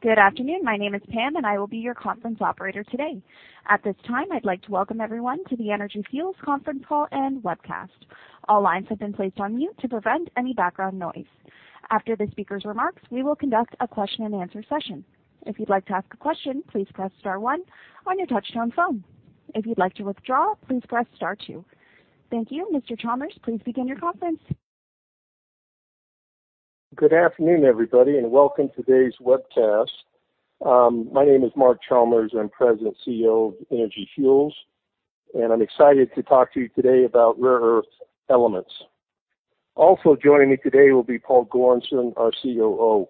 Good afternoon. My name is Pam, and I will be your conference operator today. At this time, I'd like to welcome everyone to the Energy Fuels conference call and webcast. All lines have been placed on mute to prevent any background noise. After the speaker's remarks, we will conduct a question-and-answer session. If you'd like to ask a question, please press star one on your touchtone phone. If you'd like to withdraw, please press star two. Thank you. Mr. Chalmers, please begin your conference. Good afternoon, everybody, and welcome to today's webcast. My name is Mark Chalmers. I'm President and CEO of Energy Fuels, and I'm excited to talk to you today about rare earth elements. Also joining me today will be Paul Goranson, our COO.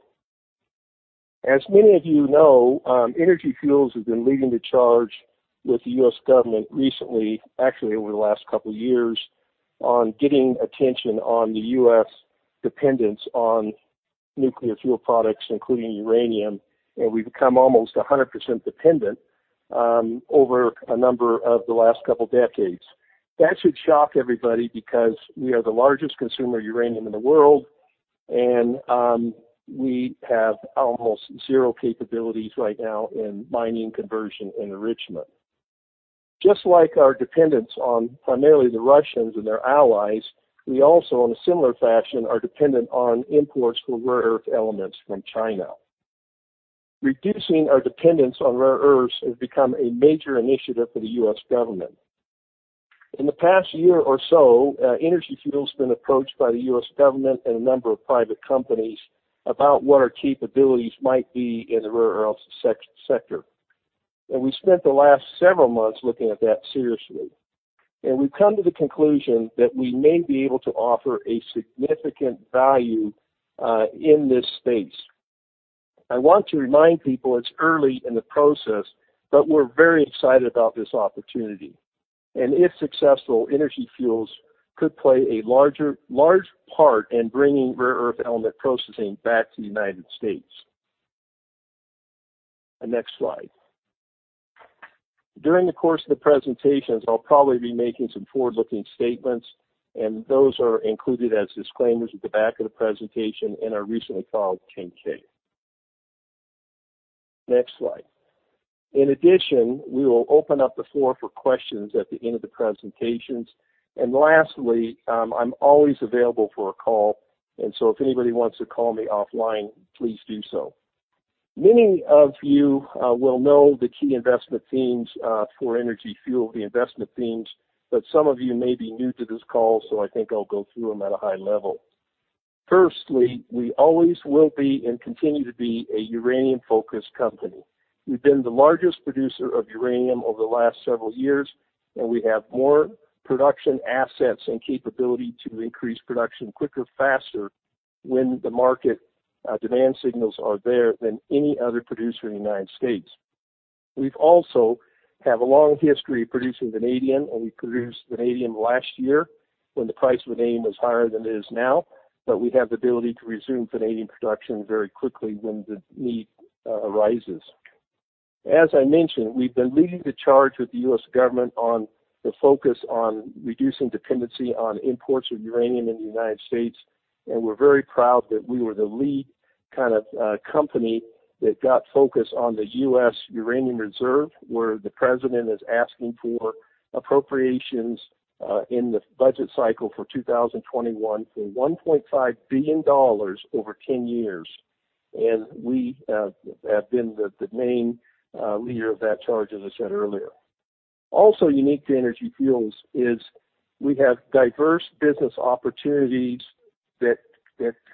As many of you know, Energy Fuels has been leading the charge with the U.S. government recently, actually over the last couple of years, on getting attention on the U.S. dependence on nuclear fuel products, including uranium, and we've become almost 100% dependent, over a number of the last couple of decades. That should shock everybody because we are the largest consumer of uranium in the world, and, we have almost zero capabilities right now in mining, conversion, and enrichment. Just like our dependence on primarily the Russians and their allies, we also, in a similar fashion, are dependent on imports for rare earth elements from China. Reducing our dependence on rare earths has become a major initiative for the U.S. government. In the past year or so, Energy Fuels has been approached by the U.S. government and a number of private companies about what our capabilities might be in the rare earth sector. And we spent the last several months looking at that seriously, and we've come to the conclusion that we may be able to offer a significant value in this space. I want to remind people, it's early in the process, but we're very excited about this opportunity. And if successful, Energy Fuels could play a large part in bringing rare earth element processing back to the United States. The next slide. During the course of the presentations, I'll probably be making some forward-looking statements, and those are included as disclaimers at the back of the presentation and are recently filed with 10-K. Next slide. In addition, we will open up the floor for questions at the end of the presentations. And lastly, I'm always available for a call, and so if anybody wants to call me offline, please do so. Many of you will know the key investment themes for Energy Fuels, the investment themes, but some of you may be new to this call, so I think I'll go through them at a high level. Firstly, we always will be and continue to be a uranium-focused company. We've been the largest producer of uranium over the last several years, and we have more production assets and capability to increase production quicker, faster when the market, demand signals are there than any other producer in the United States. We've also have a long history of producing vanadium, and we produced vanadium last year when the price of vanadium was higher than it is now, but we have the ability to resume vanadium production very quickly when the need, arises. As I mentioned, we've been leading the charge with the U.S. government on the focus on reducing dependency on imports of uranium in the United States, and we're very proud that we were the lead kind of company that got focused on the U.S. uranium reserve, where the president is asking for appropriations in the budget cycle for 2021 for $1.5 billion over 10 years. We have been the main leader of that charge, as I said earlier. Also unique to Energy Fuels is we have diverse business opportunities that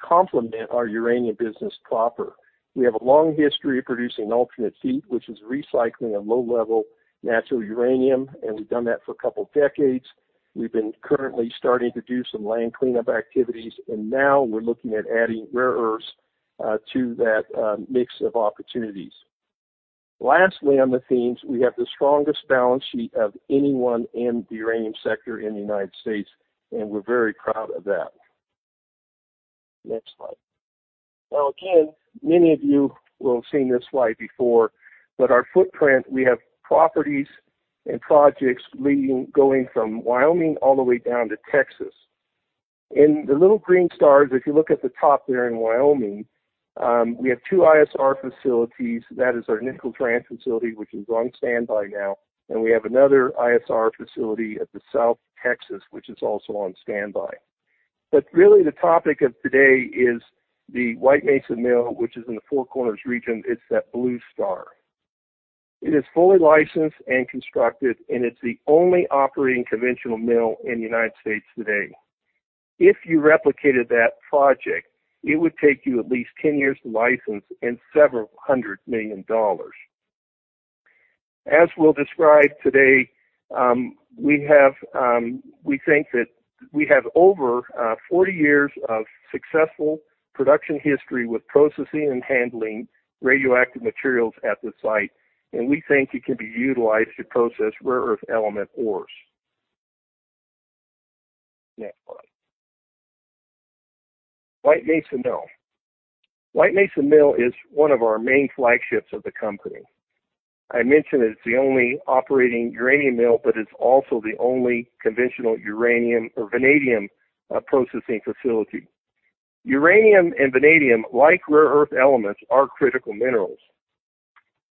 complement our uranium business proper. We have a long history of producing alternate feed, which is recycling a low-level natural uranium, and we've done that for a couple of decades. We've been currently starting to do some land cleanup activities, and now we're looking at adding rare earths to that mix of opportunities. Lastly, on the themes, we have the strongest balance sheet of anyone in the uranium sector in the United States, and we're very proud of that. Next slide. Now, again, many of you will have seen this slide before, but our footprint, we have properties and projects leading, going from Wyoming all the way down to Texas. In the little green stars, if you look at the top there in Wyoming, we have two ISR facilities. That is our Nichols Ranch facility, which is on standby now, and we have another ISR facility at the South Texas, which is also on standby. But really, the topic of today is the White Mesa Mill, which is in the Four Corners region. It's that blue star. It is fully licensed and constructed, and it's the only operating conventional mill in the United States today. If you replicated that project, it would take you at least 10 years to license and several hundred million dollars. As we'll describe today, we think that we have over 40 years of successful production history with processing and handling radioactive materials at the site, and we think it can be utilized to process rare earth element ores. Next slide. White Mesa Mill. White Mesa Mill is one of our main flagships of the company. I mentioned it's the only operating uranium mill, but it's also the only conventional uranium or vanadium processing facility. Uranium and vanadium, like rare earth elements, are critical minerals.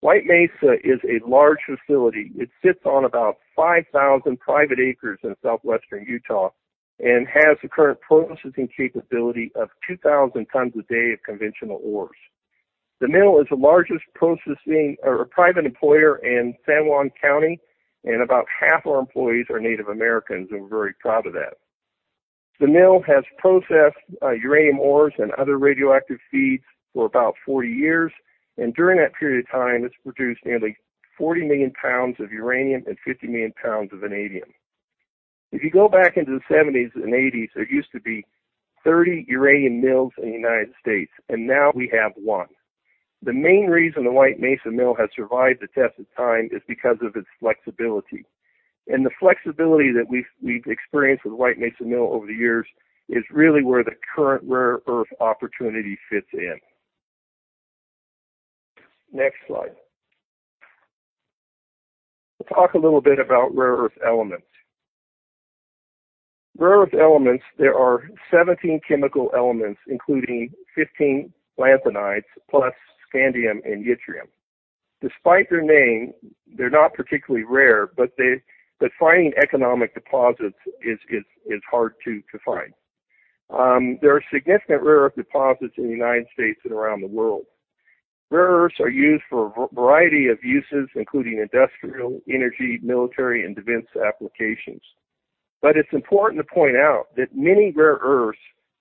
White Mesa is a large facility. It sits on about 5,000 private acres in Southwestern Utah and has a current processing capability of 2,000 tons a day of conventional ores. The mill is the largest processing or private employer in San Juan County, and about half our employees are Native Americans, and we're very proud of that. The mill has processed uranium ores and other radioactive feeds for about 40 years, and during that period of time, it's produced nearly 40 million pounds of uranium and 50 million pounds of vanadium. If you go back into the 1970s and 1980s, there used to be 30 uranium mills in the United States, and now we have one. The main reason the White Mesa Mill has survived the test of time is because of its flexibility. The flexibility that we've experienced with White Mesa Mill over the years is really where the current rare earth opportunity fits in. Next slide. Let's talk a little bit about rare earth elements. Rare earth elements, there are 17 chemical elements, including 15 lanthanides plus scandium and yttrium. Despite their name, they're not particularly rare, but finding economic deposits is hard to find. There are significant rare earth deposits in the United States and around the world. Rare earths are used for a variety of uses, including industrial, energy, military, and defense applications. But it's important to point out that many rare earths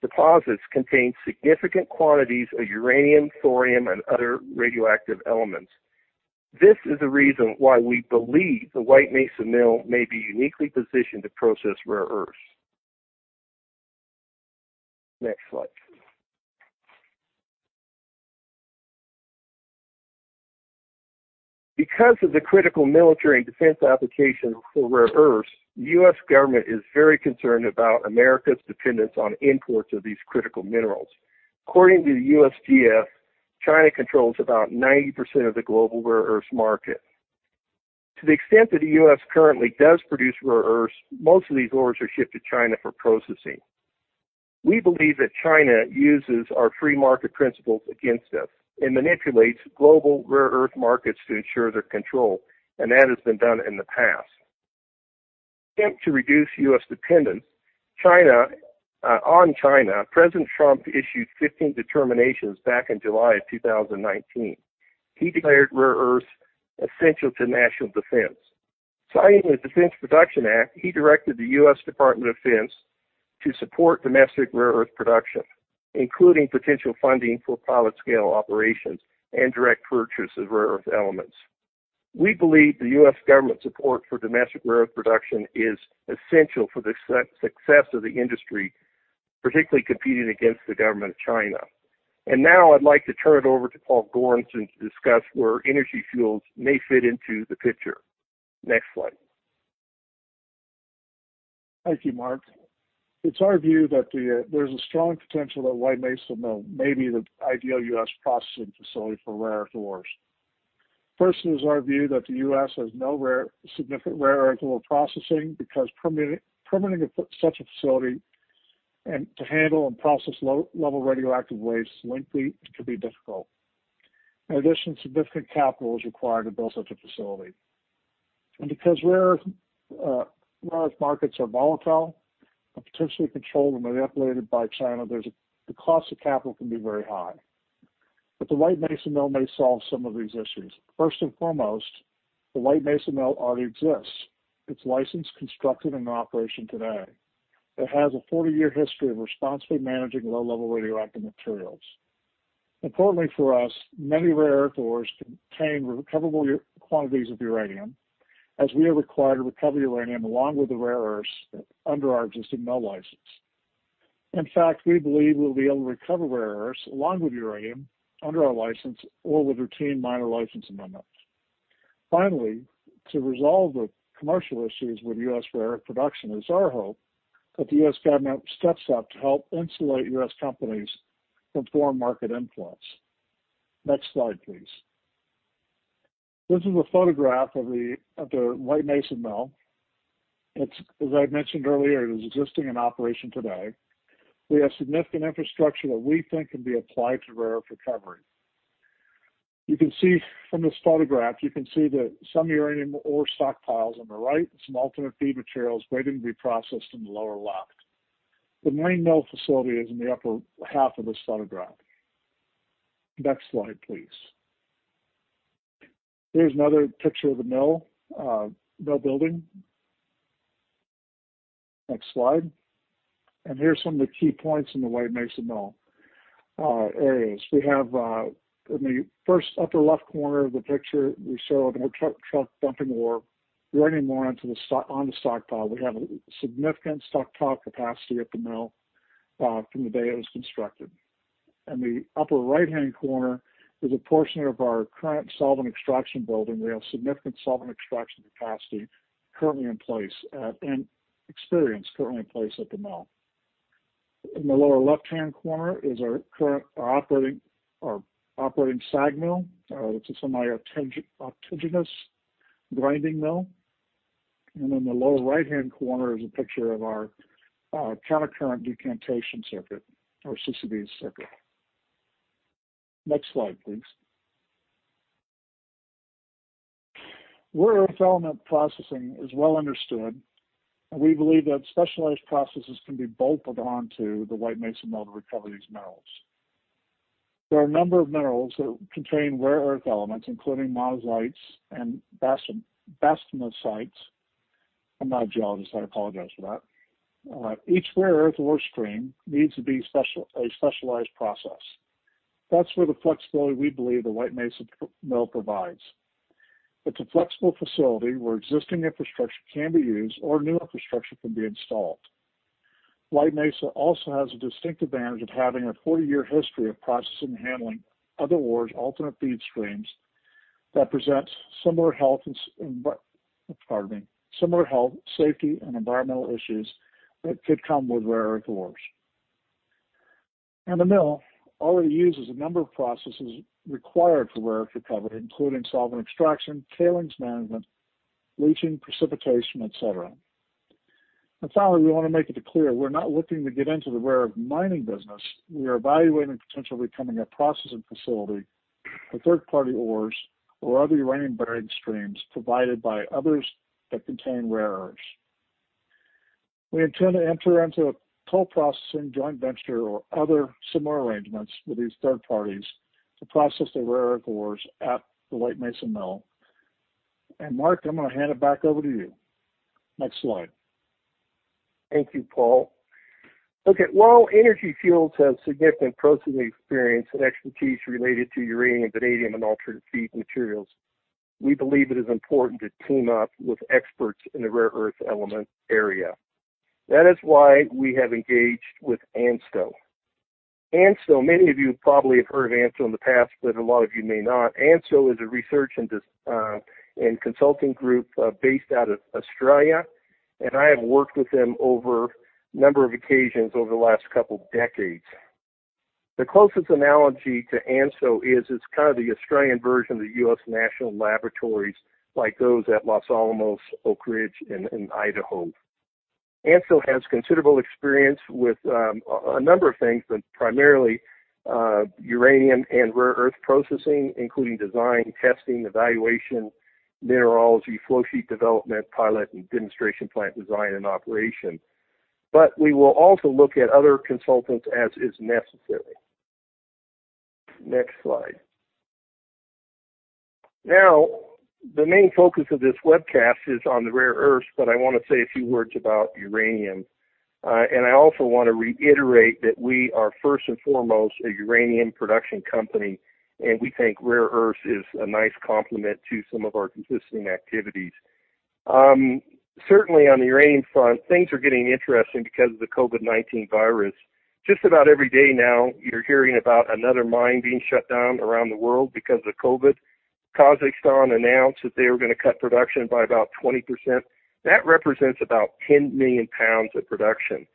deposits contain significant quantities of uranium, thorium, and other radioactive elements. This is the reason why we believe the White Mesa Mill may be uniquely positioned to process rare earths. Next slide. Because of the critical military and defense applications for rare earths, the U.S. government is very concerned about America's dependence on imports of these critical minerals. According to the USGS, China controls about 90% of the global rare earths market. To the extent that the U.S. currently does produce rare earths, most of these ores are shipped to China for processing. We believe that China uses our free market principles against us and manipulates global rare earth markets to ensure their control, and that has been done in the past. To reduce U.S. dependence on China, President Trump issued 15 determinations back in July 2019. He declared rare earths essential to national defense. Citing the Defense Production Act, he directed the U.S. Department of Defense to support domestic rare earth production, including potential funding for pilot-scale operations and direct purchase of rare earth elements. We believe the U.S. government support for domestic rare earth production is essential for the success of the industry, particularly competing against the government of China. And now I'd like to turn it over to Paul Goranson to discuss where Energy Fuels may fit into the picture. Next slide. Thank you, Mark. It's our view that there's a strong potential that White Mesa Mill may be the ideal U.S. processing facility for rare earth ores. First, it is our view that the U.S. has no significant rare earth ore processing because permitting such a facility and to handle and process low-level radioactive waste is lengthy and can be difficult. In addition, significant capital is required to build such a facility. And because rare earth markets are volatile and potentially controlled and manipulated by China, there's the cost of capital can be very high. But the White Mesa Mill may solve some of these issues. First and foremost, the White Mesa Mill already exists. It's licensed, constructed, and in operation today. It has a 40-year history of responsibly managing low-level radioactive materials. Importantly for us, many rare earth ores contain recoverable quantities of uranium, as we are required to recover uranium along with the rare earths under our existing mill license. In fact, we believe we'll be able to recover rare earths along with uranium, under our license or with routine minor license amendments. Finally, to resolve the commercial issues with U.S. rare earth production, it's our hope that the U.S. government steps up to help insulate U.S. companies from foreign market influence. Next slide, please. This is a photograph of the White Mesa Mill. It's, as I mentioned earlier, in operation today. We have significant infrastructure that we think can be applied to rare earth recovery. From this photograph, you can see that some uranium ore stockpiles on the right and some alternate feed materials waiting to be processed in the lower left. The main mill facility is in the upper half of this photograph. Next slide, please. Here's another picture of the mill building. Next slide. And here's some of the key points in the White Mesa Mill areas. We have, in the first upper left corner of the picture, we show a truck dumping ore onto the stockpile. We have a significant stockpile capacity at the mill, from the day it was constructed. In the upper right-hand corner is a portion of our current solvent extraction building. We have significant solvent extraction capacity currently in place, and experience currently in place at the mill. In the lower left-hand corner is our current operating SAG mill. It's a semi-autogenous grinding mill. In the lower right-hand corner is a picture of our counter-current decantation circuit, or CCD circuit. Next slide, please. Rare earth element processing is well understood, and we believe that specialized processes can be bolted on to the White Mesa Mill to recover these metals. There are a number of minerals that contain rare earth elements, including monazites and bastnaesites. I'm not a geologist, I apologize for that. Each rare earth ore stream needs a specialized process. That's where the flexibility we believe the White Mesa Mill provides. It's a flexible facility where existing infrastructure can be used or new infrastructure can be installed. White Mesa also has a distinct advantage of having a 40-year history of processing and handling other ores alternate feed streams that present similar health, safety, and environmental issues that could come with rare earth ores. The mill already uses a number of processes required for rare earth recovery, including solvent extraction, tailings management, leaching, precipitation, et cetera. Finally, we wanna make it clear, we're not looking to get into the rare earth mining business. We are evaluating potentially becoming a processing facility for third-party ores or other uranium-bearing streams provided by others that contain rare earths. We intend to enter into a toll processing, joint venture, or other similar arrangements with these third parties to process the rare earth ores at the White Mesa Mill. Mark, I'm gonna hand it back over to you. Next slide. Thank you, Paul. Okay, while Energy Fuels has significant processing experience and expertise related to uranium and vanadium and alternate feed materials, we believe it is important to team up with experts in the rare earth element area. That is why we have engaged with ANSTO. ANSTO, many of you probably have heard of ANSTO in the past, but a lot of you may not. ANSTO is a research and consulting group based out of Australia, and I have worked with them over a number of occasions over the last couple decades. The closest analogy to ANSTO is it's kind of the Australian version of the US National Laboratories, like those at Los Alamos, Oak Ridge, and Idaho. ANSTO has considerable experience with a number of things, but primarily uranium and rare earth processing, including design, testing, evaluation, minerals, flowsheet development, pilot and demonstration plant design and operation. We will also look at other consultants as is necessary. Next slide. Now, the main focus of this webcast is on the rare earths, but I wanna say a few words about uranium. I also wanna reiterate that we are first and foremost a uranium production company, and we think rare earths is a nice complement to some of our existing activities. Certainly on the uranium front, things are getting interesting because of the COVID-19 virus. Just about every day now, you're hearing about another mine being shut down around the world because of COVID. Kazakhstan announced that they were gonna cut production by about 20%. That represents about 10 million pounds of production.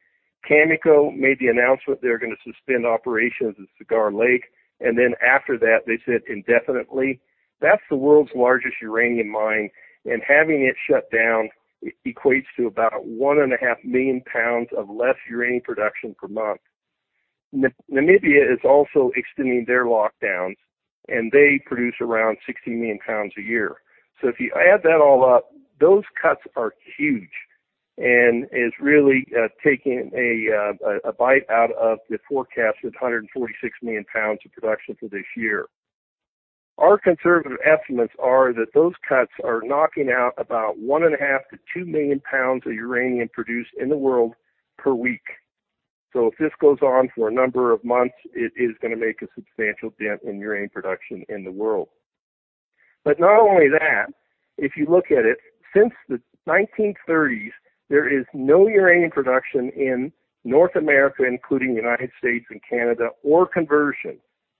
Cameco made the announcement they're gonna suspend operations at Cigar Lake, and then after that, they said indefinitely. That's the world's largest uranium mine, and having it shut down equates to about 1.5 million pounds of less uranium production per month. Namibia is also extending their lockdowns, and they produce around 16 million pounds a year. So if you add that all up, those cuts are huge, and it's really taking a bite out of the forecasted 146 million pounds of production for this year. Our conservative estimates are that those cuts are knocking out about 1.5-2 million pounds of uranium produced in the world per week. So if this goes on for a number of months, it is gonna make a substantial dent in uranium production in the world. But not only that, if you look at it, since the 1930s, there is no uranium production in North America, including the United States and Canada, or conversion.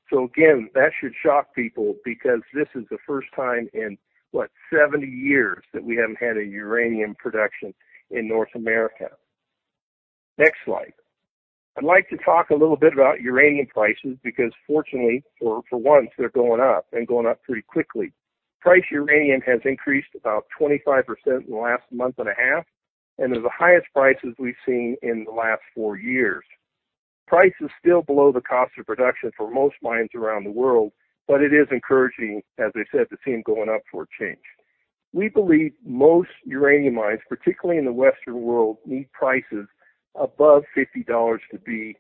So again, that should shock people because this is the first time in, what, 70 years that we haven't had a uranium production in North America. Next slide. I'd like to talk a little bit about uranium prices, because fortunately, for once, they're going up and going up pretty quickly. Uranium price has increased about 25% in the last month and a half, and they're the highest prices we've seen in the last 4 years. Price is still below the cost of production for most mines around the world, but it is encouraging, as I said, to see them going up for a change. We believe most uranium mines, particularly in the Western world, need prices above $50 to be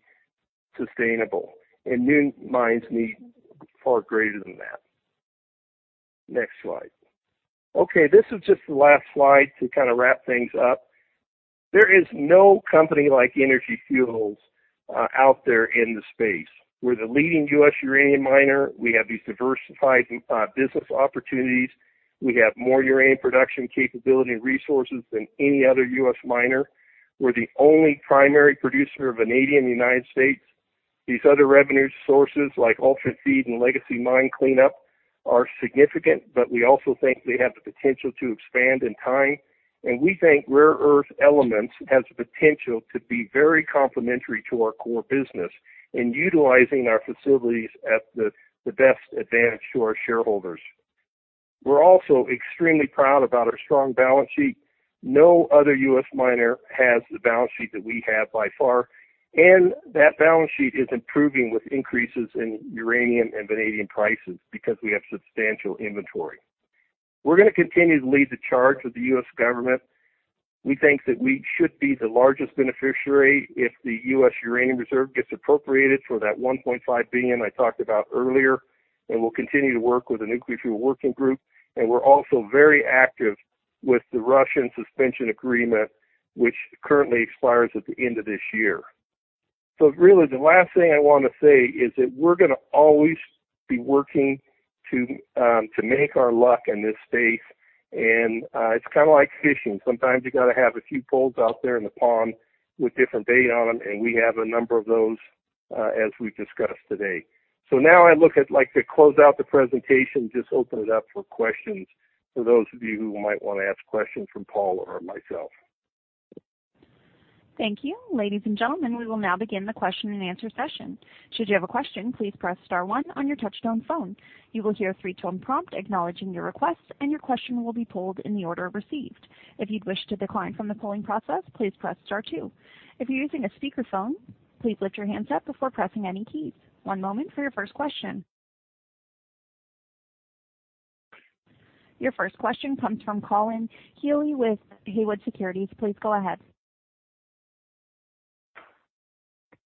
sustainable, and new mines need far greater than that. Next slide. Okay, this is just the last slide to kind of wrap things up. There is no company like Energy Fuels out there in the space. We're the leading U.S. uranium miner. We have these diversified business opportunities. We have more uranium production capability and resources than any other U.S. miner. We're the only primary producer of vanadium in the United States. These other revenue sources, like alternate feed and legacy mine cleanup, are significant, but we also think they have the potential to expand in time. And we think rare earth elements has the potential to be very complementary to our core business in utilizing our facilities at the best advantage to our shareholders. We're also extremely proud about our strong balance sheet. No other U.S. miner has the balance sheet that we have by far, and that balance sheet is improving with increases in uranium and vanadium prices because we have substantial inventory. We're gonna continue to lead the charge with the U.S. government. We think that we should be the largest beneficiary if the U.S. uranium reserve gets appropriated for that $1.5 billion I talked about earlier. And we'll continue to work with the Nuclear Fuel Working Group, and we're also very active with the Russian Suspension Agreement, which currently expires at the end of this year. So really, the last thing I want to say is that we're gonna always be working to make our luck in this space. And it's kind of like fishing. Sometimes you gotta have a few poles out there in the pond with different bait on them, and we have a number of those, as we've discussed today. So now I look at, like, to close out the presentation, just open it up for questions for those of you who might want to ask questions from Paul or myself. Thank you. Ladies and gentlemen, we will now begin the question and answer session. Should you have a question, please press star one on your touchtone phone. You will hear a three-tone prompt acknowledging your request, and your question will be pulled in the order received. If you'd wish to decline from the polling process, please press star two. If you're using a speakerphone, please lift your hands up before pressing any keys. One moment for your first question. Your first question comes from Colin Healy with Haywood Securities. Please go ahead.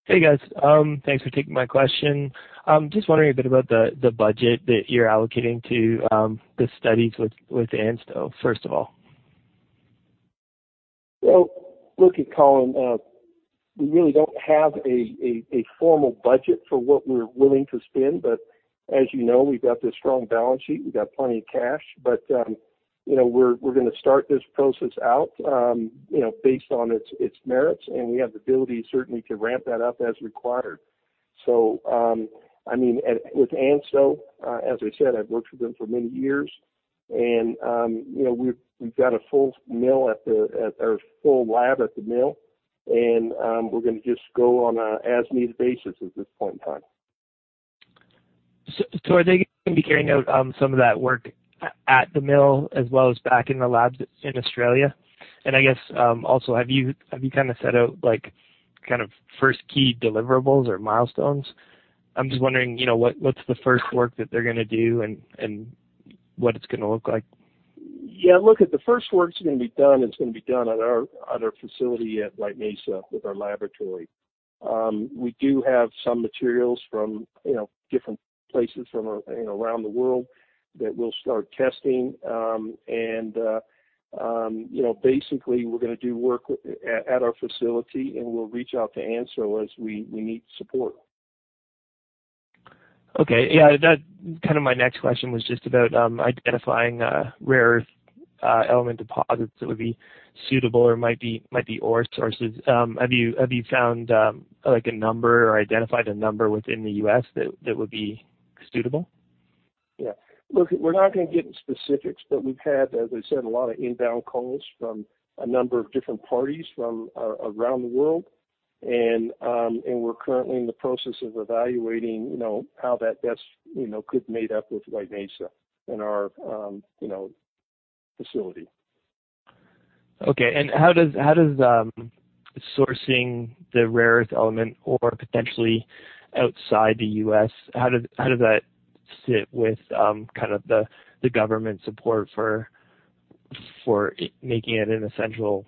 Hey, guys. Thanks for taking my question. Just wondering a bit about the budget that you're allocating to the studies with ANSTO, first of all? Well, look at Colin, we really don't have a formal budget for what we're willing to spend, but as you know, we've got this strong balance sheet. We've got plenty of cash. But, you know, we're gonna start this process out, you know, based on its merits, and we have the ability, certainly, to ramp that up as required. So, I mean, with ANSTO, as I said, I've worked with them for many years, and, you know, we've got a full mill at the mill, or full lab at the mill, and, we're gonna just go on a as-needed basis at this point in time. So, are they gonna be carrying out some of that work at the mill as well as back in the labs in Australia? And I guess, also, have you kind of set out, like, kind of first key deliverables or milestones? I'm just wondering, you know, what, what's the first work that they're gonna do and what it's gonna look like. Yeah, look, the first work that's gonna be done, it's gonna be done at our, at our facility at White Mesa with our laboratory. We do have some materials from, you know, different places from, you know, around the world that we'll start testing. And, you know, basically, we're gonna do work with, at, at our facility, and we'll reach out to ANSTO as we, we need support. Okay. Yeah, that kind of my next question was just about identifying rare element deposits that would be suitable or might be ore sources. Have you found like a number or identified a number within the U.S. that would be suitable? Yeah. Look, we're not gonna get into specifics, but we've had, as I said, a lot of inbound calls from a number of different parties from around the world. And we're currently in the process of evaluating, you know, how that best, you know, could mate up with White Mesa and our, you know, facility. Okay. And how does sourcing the rare earth element or potentially outside the U.S., how does that sit with kind of the government support for making it an essential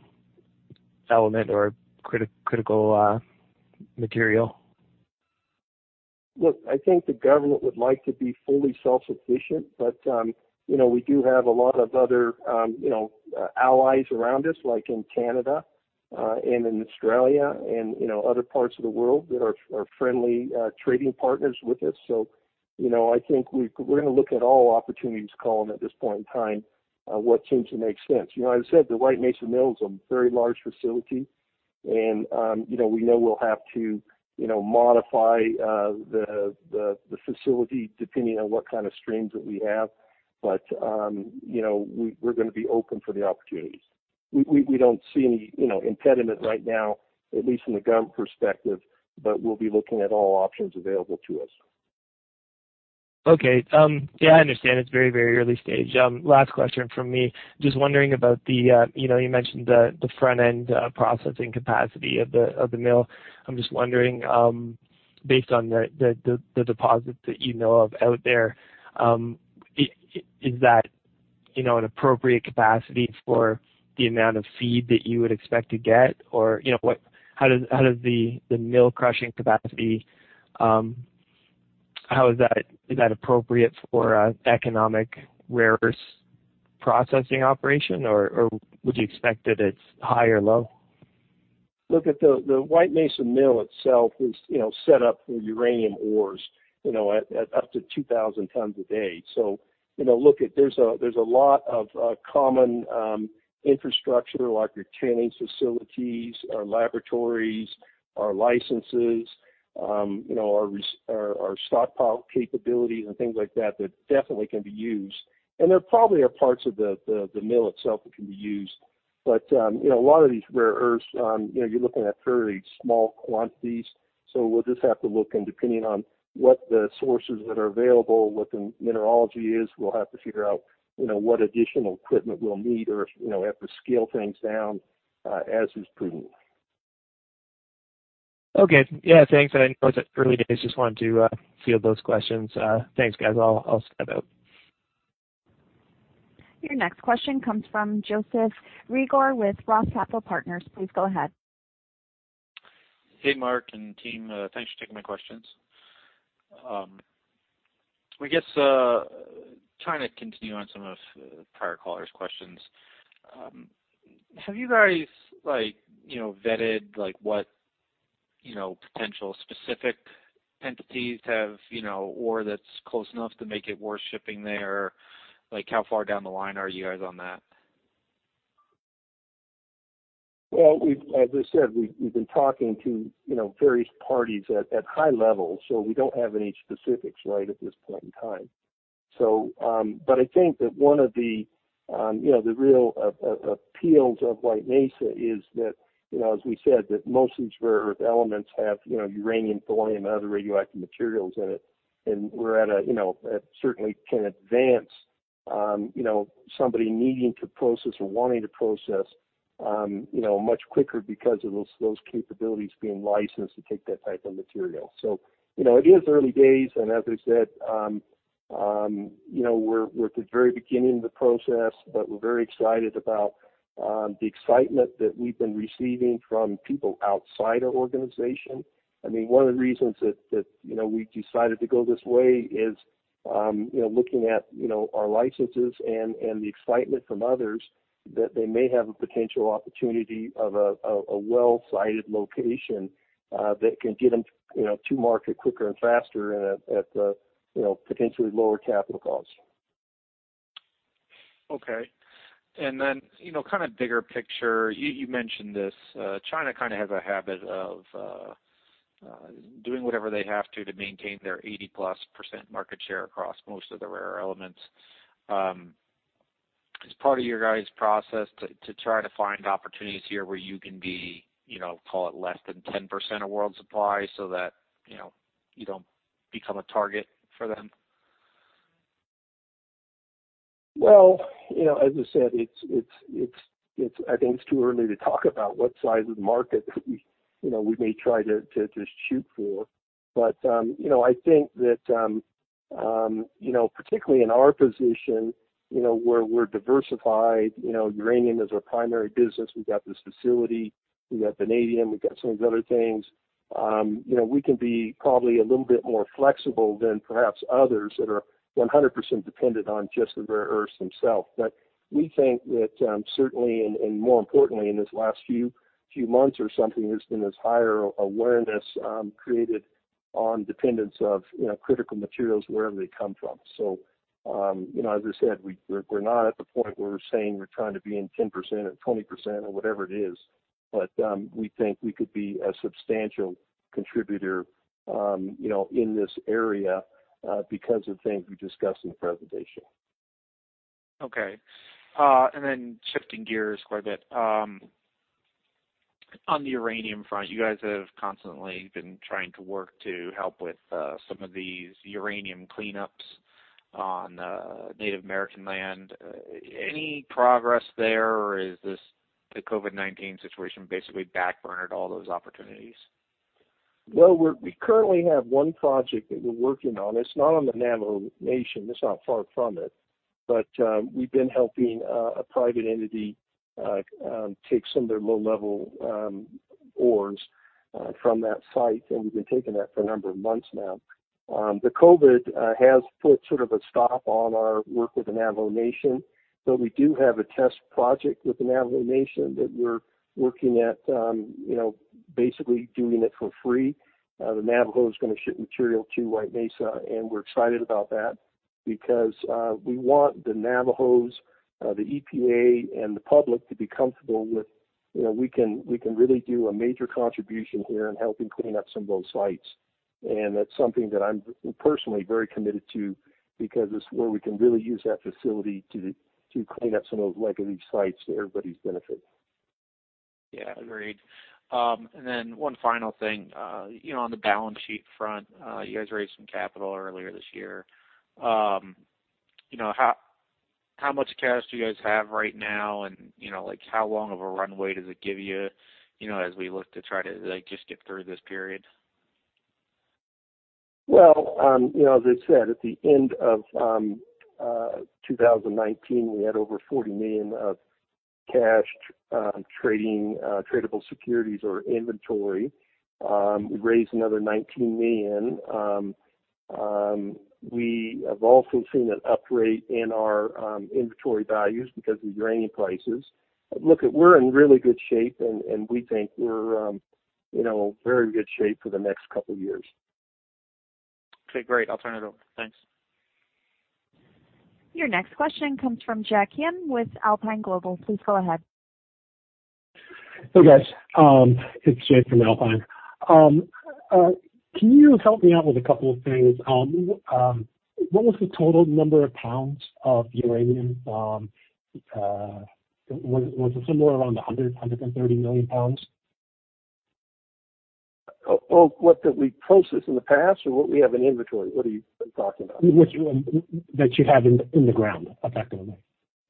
element or critical material? Look, I think the government would like to be fully self-sufficient, but, you know, we do have a lot of other, you know, allies around us, like in Canada, and in Australia and, you know, other parts of the world that are friendly trading partners with us. So, you know, I think we're gonna look at all opportunities, Colin, at this point in time, what seems to make sense. You know, I said the White Mesa Mill is a very large facility, and, you know, we know we'll have to, you know, modify the facility depending on what kind of streams that we have. But, you know, we're gonna be open for the opportunities. We don't see any, you know, impediment right now, at least from the government perspective, but we'll be looking at all options available to us. Okay. Yeah, I understand it's very, very early stage. Last question from me. Just wondering about the, you know, you mentioned the, the front end processing capacity of the, of the mill. I'm just wondering, based on the deposits that you know of out there, is that, you know, an appropriate capacity for the amount of feed that you would expect to get? Or, you know, how does, how does the mill crushing capacity, how is that is that appropriate for a economic rare earth processing operation, or, or would you expect that it's high or low? Look at the White Mesa Mill itself is, you know, set up for uranium ores, you know, at up to 2,000 tons a day. So, you know, look, there's a lot of common infrastructure, like your tailings facilities, our laboratories, our licenses, you know, our stockpile capabilities and things like that, that definitely can be used. And there probably are parts of the mill itself that can be used. But, you know, a lot of these rare earths, you know, you're looking at fairly small quantities, so we'll just have to look, and depending on what the sources that are available, what the mineralogy is, we'll have to figure out, you know, what additional equipment we'll need or if, you know, we have to scale things down, as is prudent. Okay. Yeah, thanks. I know it's early days. Just wanted to field those questions. Thanks, guys. I'll step out. Your next question comes from Joseph Reagor with Roth Capital Partners. Please go ahead. Hey, Mark and team. Thanks for taking my questions. I guess, trying to continue on some of the prior callers' questions, have you guys like, you know, vetted, like what, you know, potential specific entities have, you know, ore that's close enough to make it worth shipping there? Like, how far down the line are you guys on that? Well, as I said, we've been talking to, you know, various parties at high levels, so we don't have any specifics right at this point in time. So, but I think that one of the, you know, the real appeals of White Mesa is that, you know, as we said, that most of these rare earth elements have, you know, uranium, thorium, and other radioactive materials in it. And we're at a, you know, certainly can advance, you know, somebody needing to process or wanting to process, you know, much quicker because of those capabilities being licensed to take that type of material. So, you know, it is early days, and as I said, you know, we're at the very beginning of the process, but we're very excited about the excitement that we've been receiving from people outside our organization. I mean, one of the reasons that you know, we decided to go this way is you know, looking at you know, our licenses and the excitement from others, that they may have a potential opportunity of a well-sited location that can get them you know, to market quicker and faster and at you know, potentially lower capital costs. Okay. And then, you know, kind of bigger picture, you mentioned this, China kind of has a habit of doing whatever they have to, to maintain their 80%+ market share across most of the rare elements. Is part of your guys' process to try to find opportunities here where you can be, you know, call it less than 10% of world supply so that, you know, you don't become a target for them? Well, you know, as I said, it's too early to talk about what size of the market that we, you know, we may try to shoot for. But, you know, I think that, you know, particularly in our position, you know, where we're diversified, you know, uranium is our primary business. We've got this facility, we've got vanadium, we've got some of these other things. You know, we can be probably a little bit more flexible than perhaps others that are 100% dependent on just the rare earths themselves. But we think that, certainly, and more importantly, in this last few months or something, there's been this higher awareness created on dependence of, you know, critical materials wherever they come from. So, you know, as I said, we're not at the point where we're saying we're trying to be in 10% or 20% or whatever it is, but we think we could be a substantial contributor, you know, in this area, because of the things we discussed in the presentation. Okay. Then shifting gears quite a bit. On the uranium front, you guys have constantly been trying to work to help with some of these uranium cleanups on Native American land. Any progress there, or is this the COVID-19 situation basically backburned all those opportunities? Well, we currently have one project that we're working on. It's not on the Navajo Nation. It's not far from it. But, we've been helping a private entity take some of their low-level ores from that site, and we've been taking that for a number of months now. The COVID has put sort of a stop on our work with the Navajo Nation, but we do have a test project with the Navajo Nation that we're working at, you know, basically doing it for free. The Navajo is gonna ship material to White Mesa, and we're excited about that because, we want the Navajos, the EPA, and the public to be comfortable with, you know, we can, we can really do a major contribution here in helping clean up some of those sites. That's something that I'm personally very committed to because it's where we can really use that facility to clean up some of those legacy sites to everybody's benefit. Yeah, agreed. And then one final thing, you know, on the balance sheet front, you guys raised some capital earlier this year. You know, how much cash do you guys have right now? And, you know, like, how long of a runway does it give you, you know, as we look to try to, like, just get through this period? Well, you know, as I said, at the end of 2019, we had over $40 million of cash, trading, tradable securities or inventory. We raised another $19 million. We have also seen an upgrade in our inventory values because of uranium prices. But look, we're in really good shape, and we think we're, you know, very good shape for the next couple of years. Okay, great. I'll turn it over. Thanks. Your next question comes from [Jay Kim] with Alpine Global. Please go ahead. Hey, guys. It's [Jay] from Alpine. Can you help me out with a couple of things? What was the total number of pounds of uranium? Was it somewhere around 130 million pounds? Well, what that we processed in the past or what we have in inventory? What are you talking about? Which you, that you have in the ground, effectively.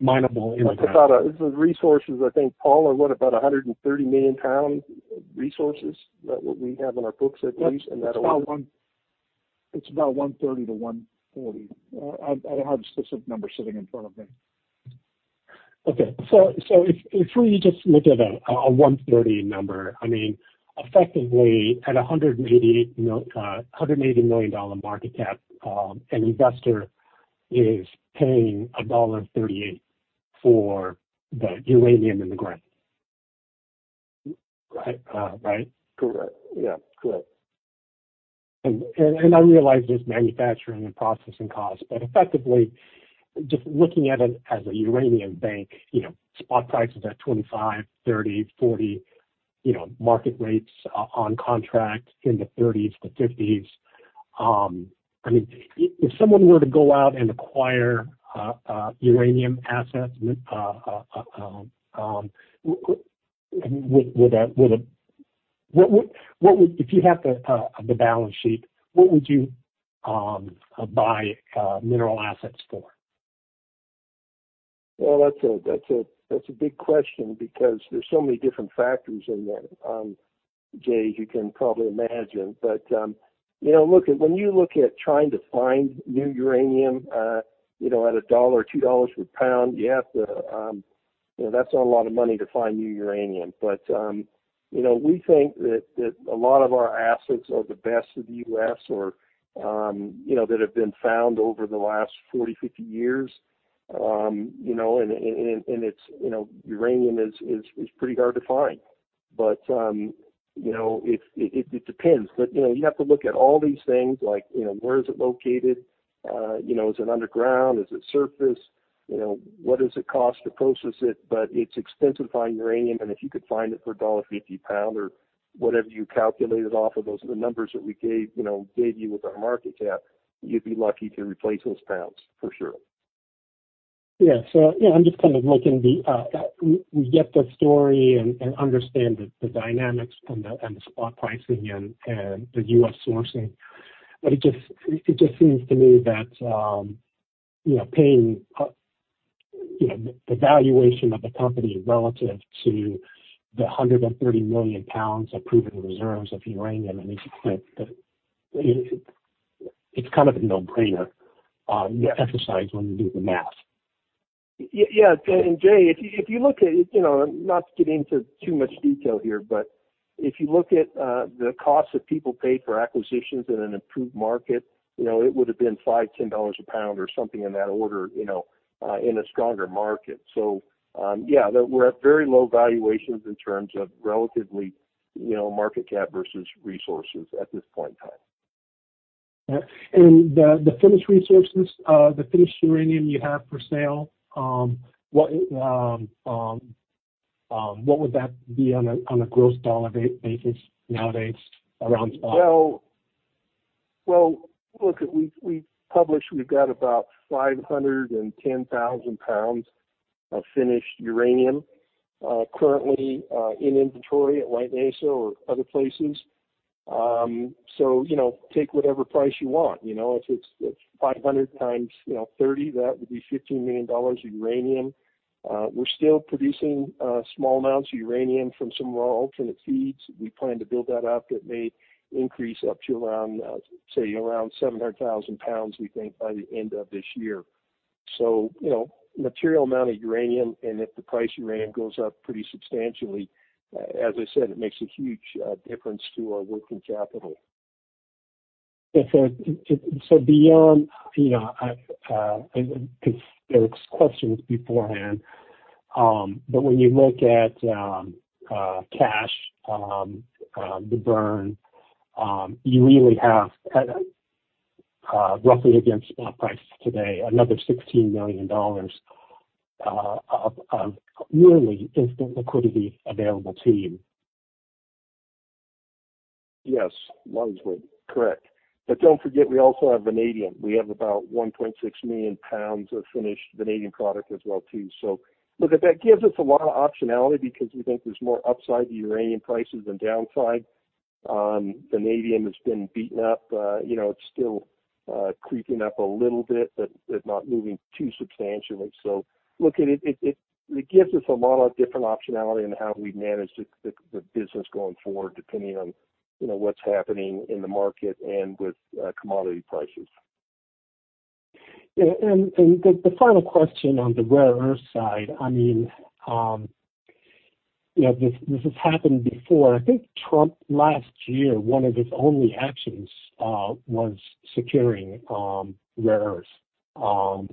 Minable in the ground. It's about the resources, I think, Paul, are what? About 130 million pound resources, that's what we have in our books, at least, and that. Yes. It's about 130 to 140 million pounds. I don't have a specific number sitting in front of me. Okay. So if we just look at a 130 million number, I mean, effectively, at a $180 million market cap, an investor is paying $1.38 for the uranium in the ground. Right? right. Correct. Yeah, correct. I realize there's manufacturing and processing costs, but effectively, just looking at it as a uranium bank, you know, spot prices at $25, $30, $40, you know, market rates on contract in the $30s-$50s. I mean, if someone were to go out and acquire uranium assets, what would if you have the balance sheet, what would you buy mineral assets for? Well, that's a big question because there's so many different factors in that, [Jay], as you can probably imagine. But, you know, look, when you look at trying to find new uranium, you know, at $1 or $2 per pound, you have to. You know, that's not a lot of money to find new uranium. But, you know, we think that a lot of our assets are the best in the U.S. or, you know, that have been found over the last 40, 50 years. You know, and it's, you know, uranium is pretty hard to find. But, you know, it depends. But, you know, you have to look at all these things like, you know, where is it located? You know, is it underground? Is it surface? You know, what does it cost to process it? But it's expensive to find uranium, and if you could find it for $1.50 a pound or whatever you calculated off of those, the numbers that we gave, you know, gave you with our market cap, you'd be lucky to replace those pounds, for sure. Yeah. So, yeah, I'm just kind of looking. We get the story and understand the dynamics and the spot pricing and the U.S. sourcing. But it just seems to me that, you know, paying, you know, the valuation of the company relative to the 130 million pounds of proven reserves of uranium, I mean, it's kind of a no-brainer to emphasize when you do the math. Yeah, and [Jay], if you look at it, you know, not to get into too much detail here, but if you look at the costs that people paid for acquisitions in an improved market, you know, it would have been $5-$10 a pound or something in that order, you know, in a stronger market. So, yeah, we're at very low valuations in terms of relatively, you know, market cap versus resources at this point in time. Yeah. And the finished resources, the finished uranium you have for sale, what would that be on a gross dollar basis nowadays around spot? Well, well, look, we've published we've got about 510,000 pounds of finished uranium currently in inventory at White Mesa or other places. So, you know, take whatever price you want. You know, if it's 500 times 30, that would be $15 million of uranium. We're still producing small amounts of uranium from some raw Alternate Feed. We plan to build that up. It may increase up to around, say, around 700,000 pounds, we think, by the end of this year. So, you know, material amount of uranium, and if the price uranium goes up pretty substantially, as I said, it makes a huge difference to our working capital. And so beyond, you know, there was questions beforehand, but when you look at cash the burn, you really have roughly against spot prices today, another $16 million of nearly instant liquidity available to you. Yes, largely. Correct. But don't forget, we also have vanadium. We have about 1.6 million pounds of finished vanadium product as well, too. So look, that gives us a lot of optionality because we think there's more upside to uranium prices than downside. Vanadium has been beaten up, you know, it's still creeping up a little bit, but not moving too substantially. So look, it gives us a lot of different optionality in how we manage the business going forward, depending on, you know, what's happening in the market and with commodity prices. Yeah, and the final question on the rare earth side, I mean, you know, this has happened before. I think Trump last year, one of his only actions was securing rare earths.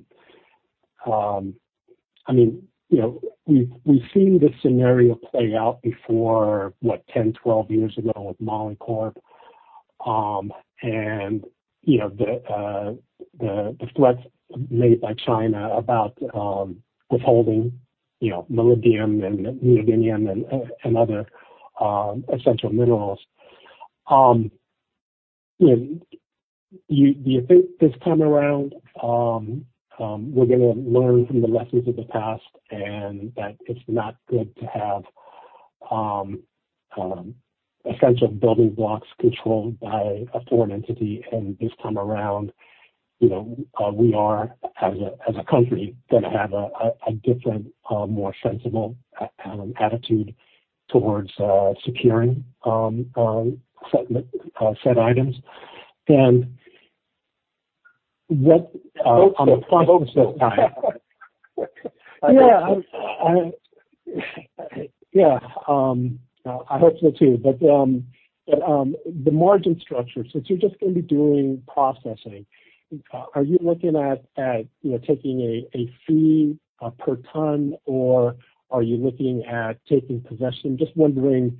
I mean, you know, we've seen this scenario play out before, what, 10, 12 years ago with Molycorp. And you know, the threats made by China about withholding, you know, molybdenum and vanadium and other essential minerals. You know, do you think this time around, we're gonna learn from the lessons of the past, and that it's not good to have essential building blocks controlled by a foreign entity, and this time around, you know, we are, as a country, gonna have a different, more sensible attitude towards securing certain said items? And what on the process. Yeah, I hope so, too. But, the margin structure, since you're just gonna be doing processing, are you looking at, you know, taking a fee per ton, or are you looking at taking possession? Just wondering,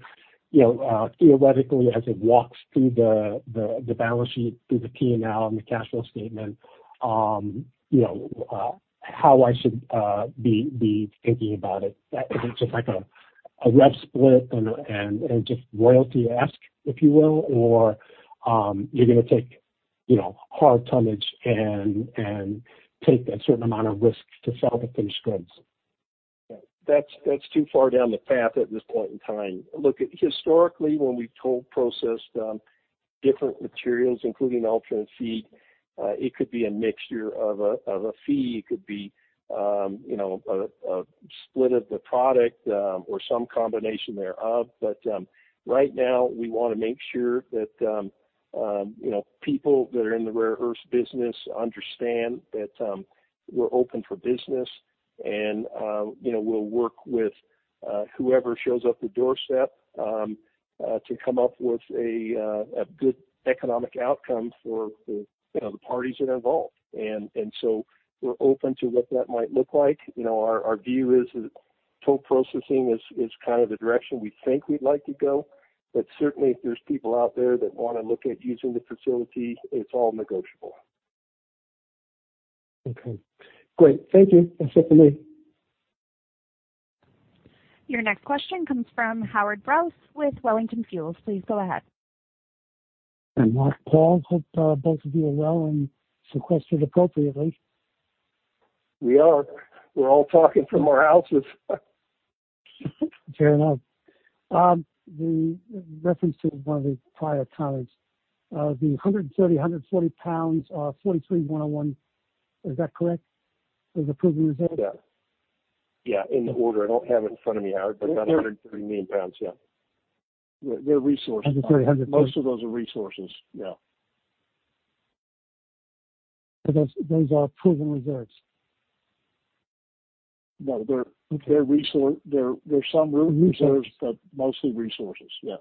you know, theoretically, as it walks through the balance sheet, through the PNL and the cash flow statement, you know, how I should be thinking about it. Is it just like a rev split and just royalty-esque, if you will, or you're gonna take, you know, hard tonnage and take a certain amount of risk to sell the finished goods? That's, that's too far down the path at this point in time. Look, historically, when we've toll processed, different materials, including alternate feed, it could be a mixture of a fee. It could be, you know, a split of the product, or some combination thereof. But, right now we wanna make sure that, you know, people that are in the rare earth business understand that, we're open for business, and, you know, we'll work with, whoever shows up at the doorstep, to come up with a, a good economic outcome for the, you know, the parties that are involved. And, and so we're open to what that might look like. You know, our, our view is that toll processing is, is kind of the direction we think we'd like to go. Certainly if there's people out there that wanna look at using the facility, it's all negotiable. Okay, great. Thank you. That's it for me. Your next question comes from Howard Brous with Wellington Shields. Please go ahead. Mark, Paul, hope both of you are well and sequestered appropriately. We are. We're all talking from our houses. Fair enough. The reference to one of the prior comments, the 130, 140 pounds, is that correct as a proven reserve? Yeah. Yeah, in the order. I don't have it in front of me, Howard, but about 130 million pounds, yeah. They're resources. Most of those are resources, yeah. But those, those are proven reserves? No, There's some reserves, but mostly resources, yes.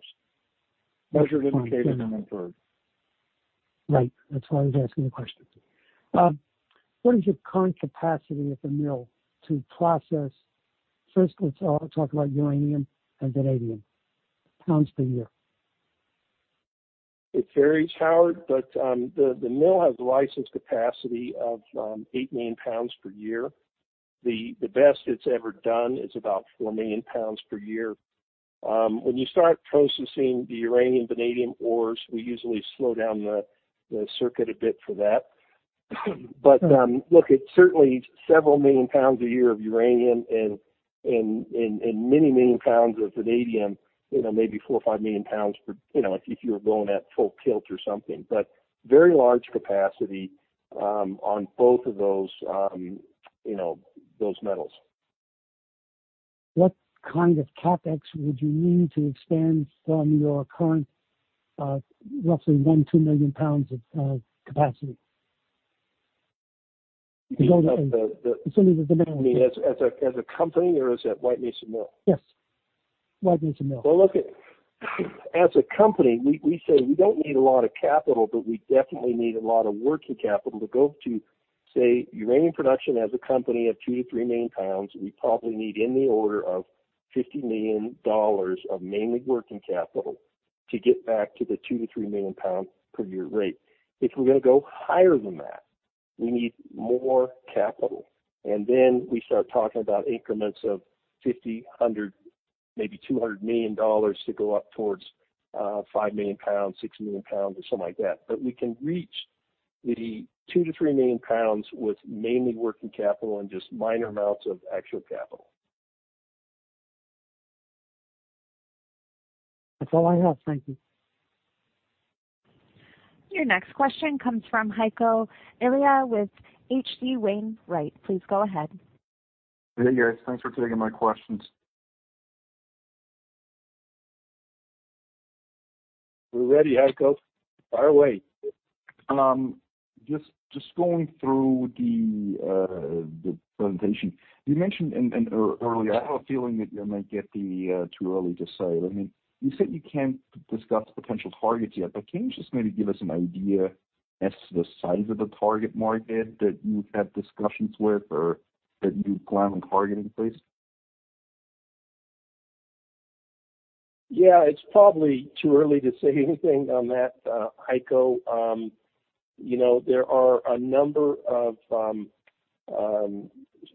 Measured, indicated, and inferred. Right, that's why I was asking the question. What is your current capacity at the mill to process. First, let's talk about uranium and vanadium, pounds per year. It varies, Howard, but the mill has a licensed capacity of 8 million pounds per year. The best it's ever done is about 4 million pounds per year. When you start processing the uranium, vanadium ores, we usually slow down the circuit a bit for that. But look, it's certainly several million pounds a year of uranium and many million pounds of vanadium, you know, maybe 4 or 5 million pounds per, you know, if you were going at full tilt or something. But very large capacity on both of those, you know, those metals. What kind of CapEx would you need to expand from your current, roughly 1-2 million pounds of capacity? The Assuming that the demand- As a company, or as at White Mesa Mill? Yes, White Mesa Mill. Well, look at, as a company, we say we don't need a lot of capital, but we definitely need a lot of working capital to go to, say, uranium production as a company of 2-3 million pounds. We probably need in the order of $50 million of mainly working capital to get back to the 2-3 million pounds per year rate. If we're gonna go higher than that, we need more capital, and then we start talking about increments of $50, $100, maybe $200 million to go up towards 5 million pounds, 6 million pounds, or something like that. But we can reach the 2-3 million pounds with mainly working capital and just minor amounts of actual capital. That's all I have. Thank you. Your next question comes from Heiko Ihle with H.C. Wainwright. Please go ahead. Hey, guys. Thanks for taking my questions. We're ready, Heiko. Fire away. Just going through the presentation. You mentioned earlier, I have a feeling that you might get the too early to say. I mean, you said you can't discuss potential targets yet, but can you just maybe give us an idea as to the size of the target market that you've had discussions with or that you plan on targeting, please? Yeah, it's probably too early to say anything on that, Heiko. You know, there are a number of,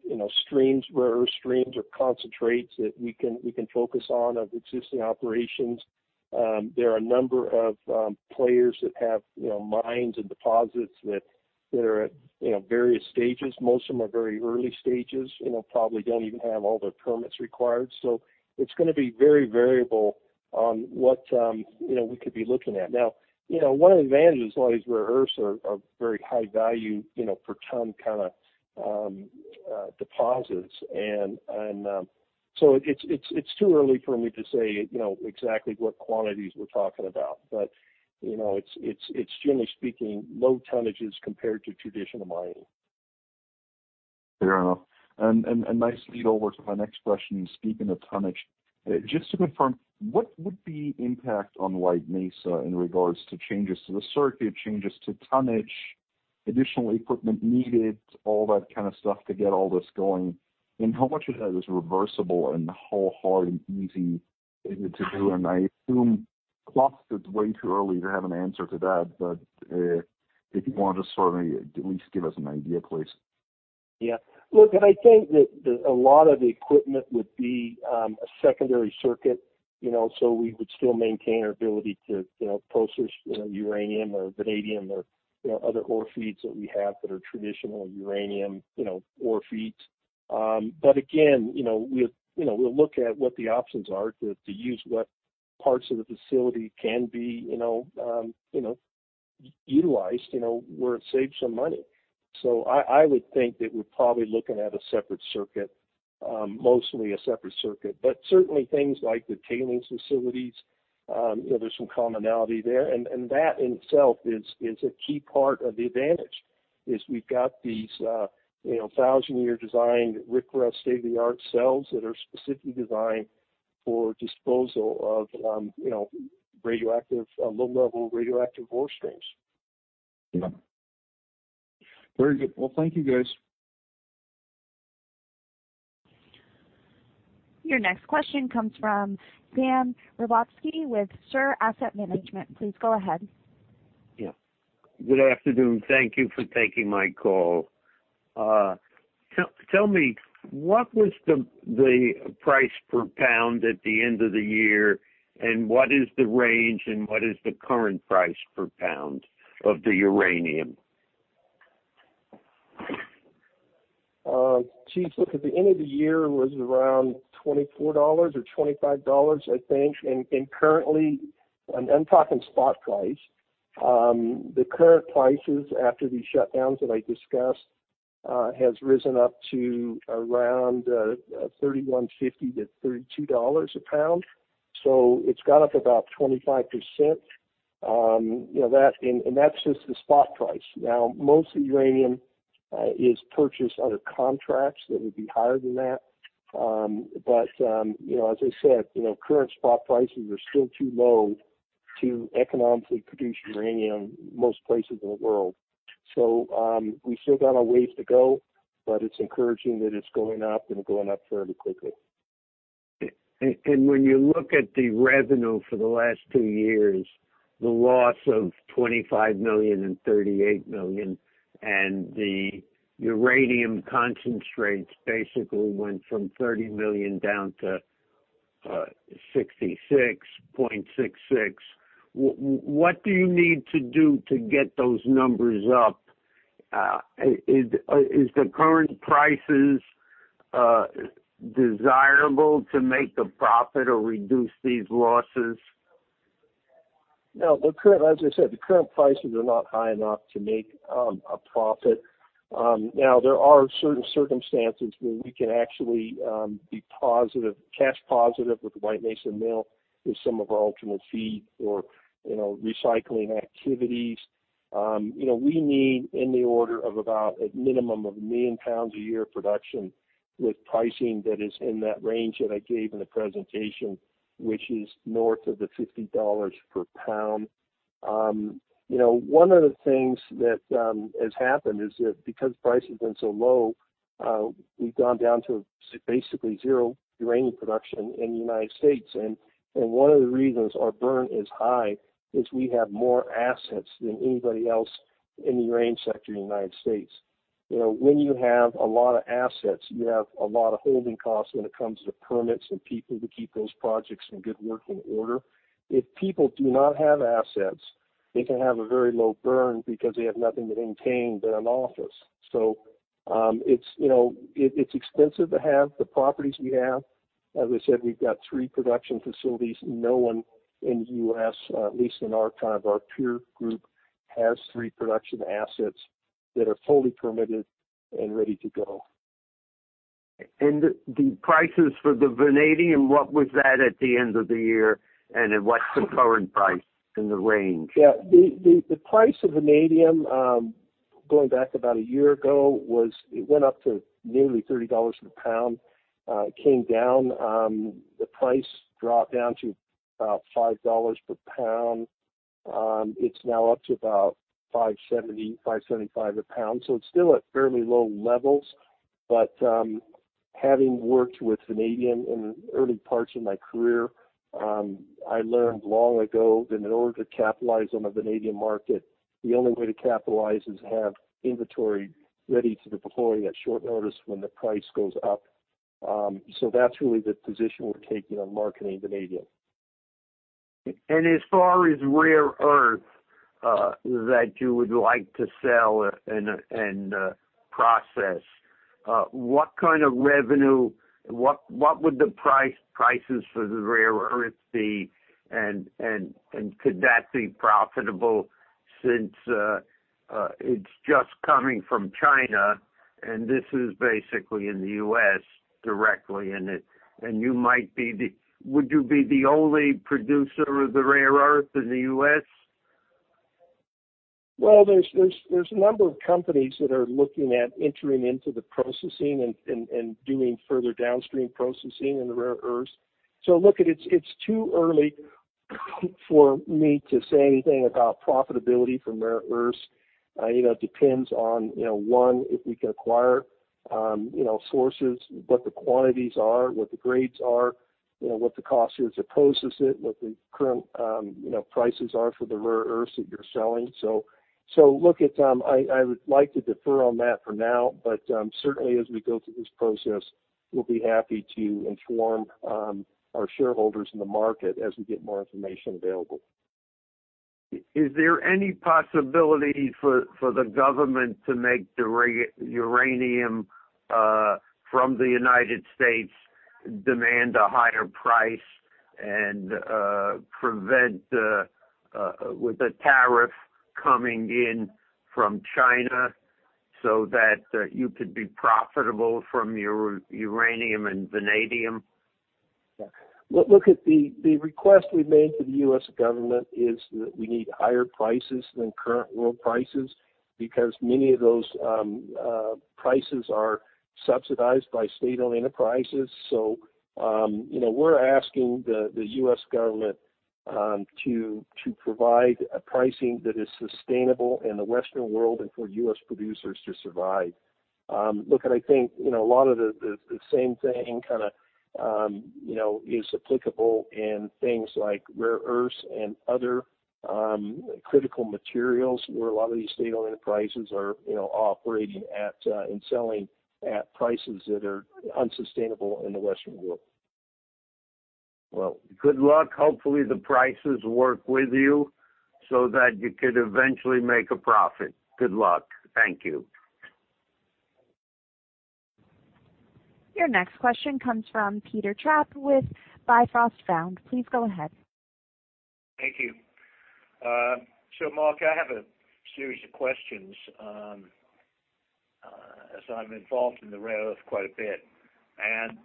you know, streams, rare earth streams or concentrates that we can, we can focus on of existing operations. There are a number of, players that have, you know, mines and deposits that, that are at, you know, various stages. Most of them are very early stages, you know, probably don't even have all the permits required. So it's gonna be very variable on what, you know, we could be looking at. Now, you know, one of the advantages, a lot of these rare earths are, are very high value, you know, per ton kind of, deposits. And, and, so it's, it's, it's too early for me to say, you know, exactly what quantities we're talking about. But, you know, it's generally speaking, low tonnages compared to traditional mining. Fair enough. And nice lead over to my next question. Speaking of tonnage, just to confirm, what would be impact on White Mesa in regards to changes to the circuit, changes to tonnage, additional equipment needed, all that kind of stuff to get all this going? And how much of that is reversible, and how hard and easy is it to do? And I assume, plus it's way too early to have an answer to that. But, if you want to just sort of at least give us an idea, please. Yeah. Look, I think that a lot of the equipment would be a secondary circuit, you know, so we would still maintain our ability to, you know, process, you know, uranium or vanadium or, you know, other ore feeds that we have that are traditional uranium, you know, ore feeds. But again, you know, we'll, you know, we'll look at what the options are to use what parts of the facility can be, you know, utilized, you know, where it saves some money. So I would think that we're probably looking at a separate circuit, mostly a separate circuit. But certainly things like the tailings facilities, you know, there's some commonality there that in itself is a key part of the advantage, we've got these, you know, 1,000-year designed class state-of-the-art cells that are specifically designed for disposal of, you know, radioactive low-level radioactive ore streams. Yeah. Very good. Well, thank you, guys. Your next question comes from [Dan Robatsky] with SIR Asset Management. Please go ahead. Yeah, good afternoon. Thank you for taking my call. Tell me, what was the price per pound at the end of the year? And what is the range, and what is the current price per pound of the uranium? Geez, look, at the end of the year, it was around $24 or $25, I think. And currently. I'm talking spot price. The current prices after these shutdowns that I discussed has risen up to around $31.50-$32 a pound. So it's gone up about 25%. You know, that, and that's just the spot price. Now, most uranium is purchased under contracts that would be higher than that. But you know, as I said, you know, current spot prices are still too low to economically produce uranium most places in the world. So, we've still got a ways to go, but it's encouraging that it's going up and going up fairly quickly. And when you look at the revenue for the last two years, the loss of $25 million and $38 million, and the uranium concentrates basically went from $30 million down to 66.66. What do you need to do to get those numbers up? Is the current prices desirable to make a profit or reduce these losses? No, the current, as I said, the current prices are not high enough to make a profit. Now, there are certain circumstances where we can actually be positive, cash positive with the White Mesa Mill with some of our alternate feed or, you know, recycling activities. You know, we need in the order of about a minimum of 1 million pounds a year production with pricing that is in that range that I gave in the presentation, which is north of $50 per pound. You know, one of the things that has happened is that because price has been so low, we've gone down to basically zero uranium production in the United States. One of the reasons our burn is high is we have more assets than anybody else in the uranium sector in the United States. You know, when you have a lot of assets, you have a lot of holding costs when it comes to permits and people to keep those projects in good working order. If people do not have assets, they can have a very low burn because they have nothing to maintain but an office. So, it's, you know, it, it's expensive to have the properties we have. As I said, we've got three production facilities. No one in the U.S., at least in our kind of our peer group, has three production assets that are fully permitted and ready to go. The prices for the vanadium, what was that at the end of the year, and then what's the current price in the range? Yeah, the price of vanadium, going back about a year ago, it went up to nearly $30 a pound. It came down, the price dropped down to about $5 per pound. It's now up to about $5.70-$5.75 a pound, so it's still at fairly low levels. But, having worked with vanadium in the early parts of my career, I learned long ago that in order to capitalize on the vanadium market, the only way to capitalize is to have inventory ready to deploy at short notice when the price goes up. So that's really the position we're taking on marketing vanadium. As far as rare earth that you would like to sell and process, what kind of revenue—what would the prices for the rare earth be? And could that be profitable since it's just coming from China, and this is basically in the U.S. directly, and it. And you might be the—would you be the only producer of the rare earth in the U.S.? Well, there's a number of companies that are looking at entering into the processing and doing further downstream processing in the rare earths. So look, it's too early for me to say anything about profitability from rare earths. You know, it depends on, you know, one, if we can acquire, you know, sources, what the quantities are, what the grades are, you know, what the cost is to process it, what the current, you know, prices are for the rare earths that you're selling. So look, it, I would like to defer on that for now, but, certainly as we go through this process, we'll be happy to inform, our shareholders in the market as we get more information available. Is there any possibility for the government to make the uranium from the United States demand a higher price and with the tariff coming in from China so that you could be profitable from uranium and vanadium? Well, look, at the request we made to the U.S. government is that we need higher prices than current world prices because many of those prices are subsidized by state-owned enterprises. So, you know, we're asking the U.S. government to provide a pricing that is sustainable in the Western world and for U.S. producers to survive. Look, and I think, you know, a lot of the same thing kind of, you know, is applicable in things like rare earths and other critical materials where a lot of these state-owned enterprises are, you know, operating at and selling at prices that are unsustainable in the Western world. Well, good luck. Hopefully, the prices work with you so that you could eventually make a profit. Good luck. Thank you. Your next question comes from Peter Trapp with Bifrost Fund. Please go ahead. Thank you. So Mark, I have a series of questions, as I'm involved in the rare earths quite a bit. And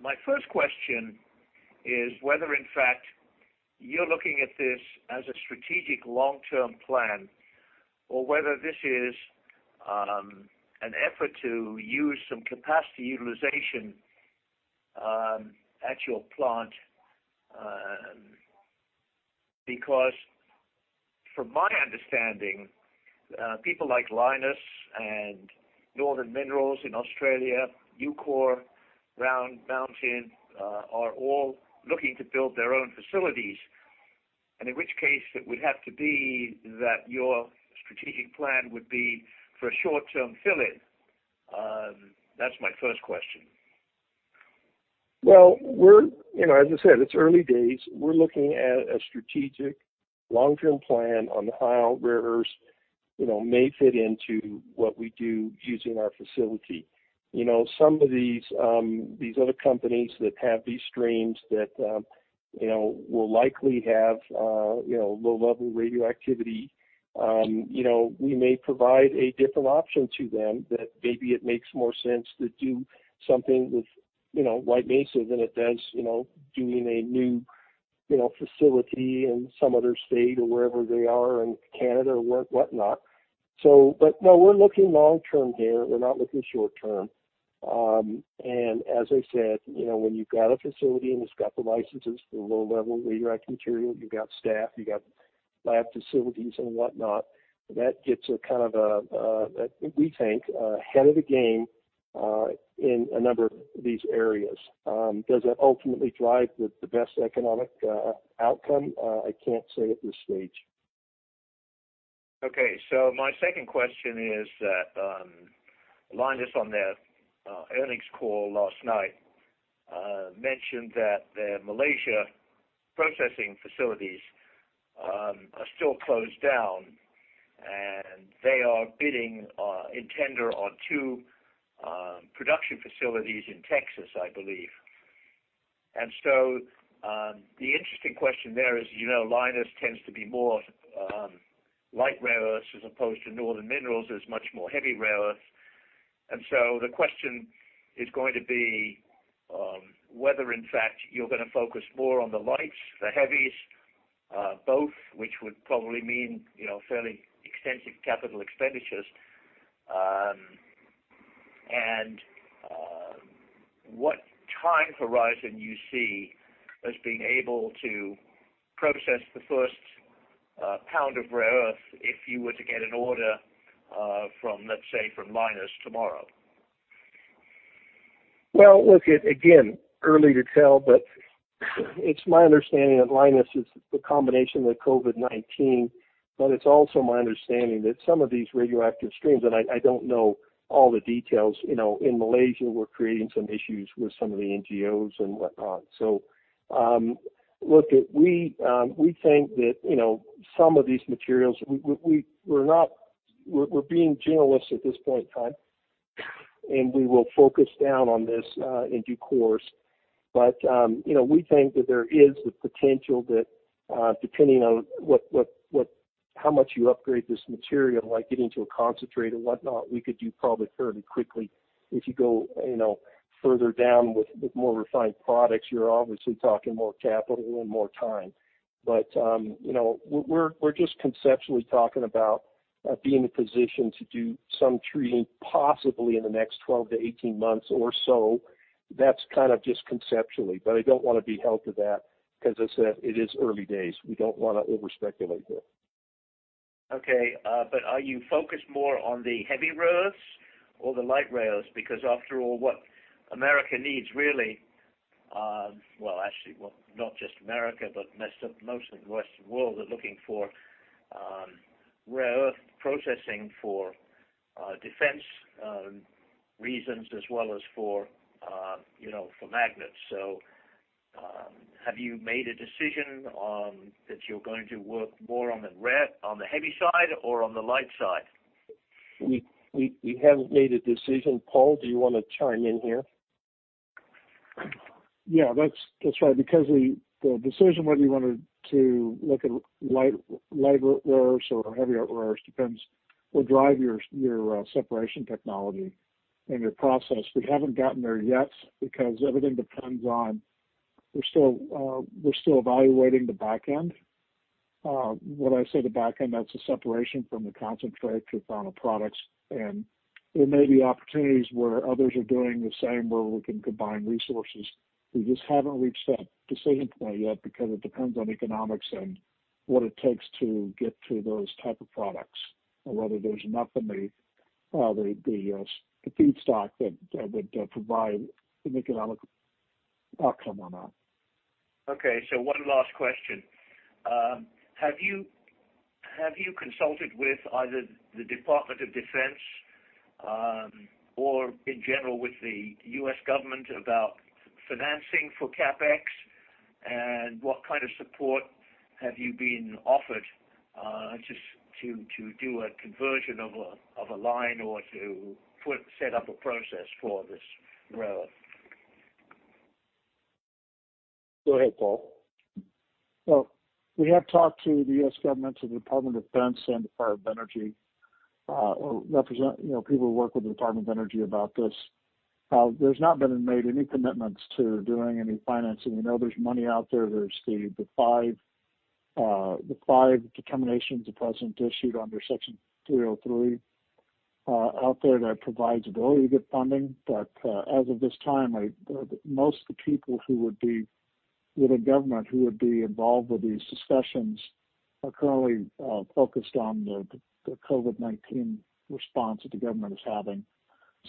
my first question is whether, in fact, you're looking at this as a strategic long-term plan or whether this is an effort to use some capacity utilization at your plant, because from my understanding, people like Lynas and Northern Minerals in Australia, Ucore, Round Mountain, are all looking to build their own facilities, and in which case it would have to be that your strategic plan would be for a short-term fill-in. That's my first question. Well, we're you know, as I said, it's early days. We're looking at a strategic long-term plan on how rare earths, you know, may fit into what we do using our facility. You know, some of these these other companies that have these streams that you know, will likely have you know, low-level radioactivity you know, we may provide a different option to them that maybe it makes more sense to do something with you know, White Mesa than it does you know, doing a new you know, facility in some other state or wherever they are in Canada or whatnot. But, no, we're looking long term here. We're not looking short term. And as I said, you know, when you've got a facility and it's got the licenses for low-level radioactive material, you've got staff, you've got lab facilities and whatnot, that gets a kind of, we think, ahead of the game in a number of these areas. Does that ultimately drive the best economic outcome? I can't say at this stage. Okay, so my second question is that Lynas, on their earnings call last night, mentioned that their Malaysia processing facilities are still closed down, and they are bidding in tender on two production facilities in Texas, I believe. And so the interesting question there is, you know, Lynas tends to be more light rare earths as opposed to Northern Minerals is much more heavy rare earths. And so the question is going to be whether in fact you're gonna focus more on the lights, the heavies, both, which would probably mean, you know, fairly extensive capital expenditures. And what time horizon you see as being able to process the first pound of rare earth, if you were to get an order from, let's say, from Lynas tomorrow? Well, look, it's again early to tell, but it's my understanding that Lynas is the combination with COVID-19, but it's also my understanding that some of these radioactive streams, and I don't know all the details, you know, in Malaysia, we're creating some issues with some of the NGOs and whatnot. So, look, we think that, you know, some of these materials, we're being generalists at this point in time, and we will focus down on this in due course. But, you know, we think that there is the potential that, depending on what how much you upgrade this material, like getting to a concentrate and whatnot, we could do probably fairly quickly. If you go, you know, further down with more refined products, you're obviously talking more capital and more time. But, you know, we're just conceptually talking about being in a position to do some treating possibly in the next 12-18 months or so. That's kind of just conceptually, but I don't wanna be held to that. As I said, it is early days. We don't wanna over speculate here. Okay, but are you focused more on the heavy rare earths or the light rare earths? Because after all, what America needs really, well, actually, well, not just America, but most of, most of the Western world are looking for, rare earth processing for, defense, reasons, as well as for, you know, for magnets. So, have you made a decision, that you're going to work more on the rare, on the heavy side or on the light side? We haven't made a decision. Paul, do you wanna chime in here? Yeah, that's right. The decision whether you wanted to look at light rare earths or heavy rare earths depends, will drive your separation technology and your process. We haven't gotten there yet because everything depends on, we're still evaluating the back end. When I say the back end, that's a separation from the concentrate to final products, and there may be opportunities where others are doing the same, where we can combine resources. We just haven't reached that decision point yet because it depends on economics and what it takes to get to those type of products, and whether there's enough in the feedstock that would provide an economic outcome on that. Okay, so one last question. Have you, have you consulted with either the Department of Defense or in general, with the U.S. government about financing for CapEx? And what kind of support have you been offered just to do a conversion of a line or to set up a process for this rare earth? Go ahead, Paul. Well, we have talked to the U.S. government, to the Department of Defense and Department of Energy, you know, people who work with the Department of Energy about this. There's not been made any commitments to doing any financing. We know there's money out there. There's the, the five, the five determinations the president issued under Section 303, out there that provides the ability to get funding. But, as of this time, I, most of the people who would be with the government, who would be involved with these discussions, are currently, focused on the, the COVID-19 response that the government is having.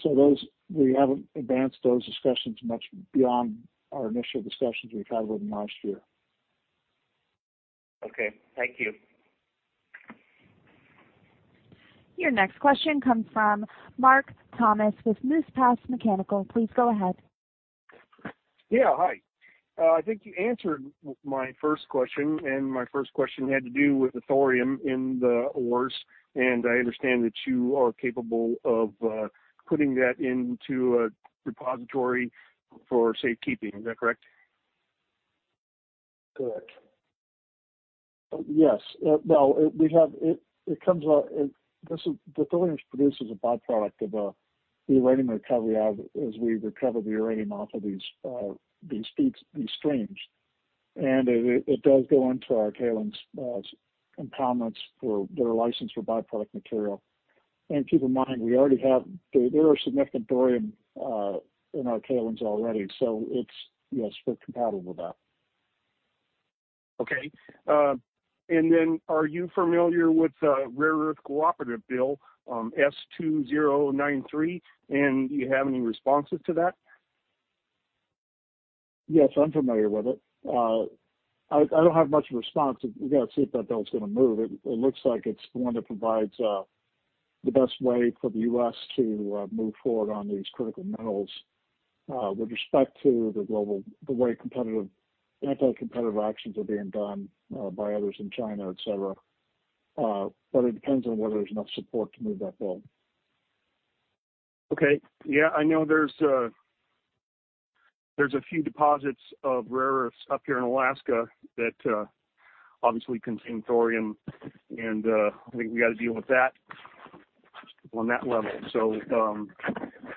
So those, we haven't advanced those discussions much beyond our initial discussions we've had with them last year. Okay, thank you. Your next question comes from [Mark Thomas] with Moose Pass Mechanical. Please go ahead. Yeah, hi. I think you answered my first question, and my first question had to do with the thorium in the ores, and I understand that you are capable of putting that into a repository for safekeeping. Is that correct? Correct. Yes. Well, we have it. It comes out. This is, the thorium produces a by-product of the uranium recovery as we recover the uranium off of these peaks, these streams. And it does go into our tailings impoundments, for they're licensed for by-product material. And keep in mind, we already have. There are significant thorium in our tailings already, so it's yes, we're compatible with that. Okay. And then are you familiar with Rare Earth Cooperative Bill, S. 2093, and do you have any responses to that? Yes, I'm familiar with it. I don't have much response. We've got to see if that bill's gonna move. It looks like it's the one that provides the best way for the U.S. to move forward on these critical metals with respect to the way competitive, anti-competitive actions are being done by others in China, et cetera. But it depends on whether there's enough support to move that bill. Okay. Yeah, I know there's a few deposits of rare earths up here in Alaska that obviously contain thorium, and I think we got to deal with that on that level. So,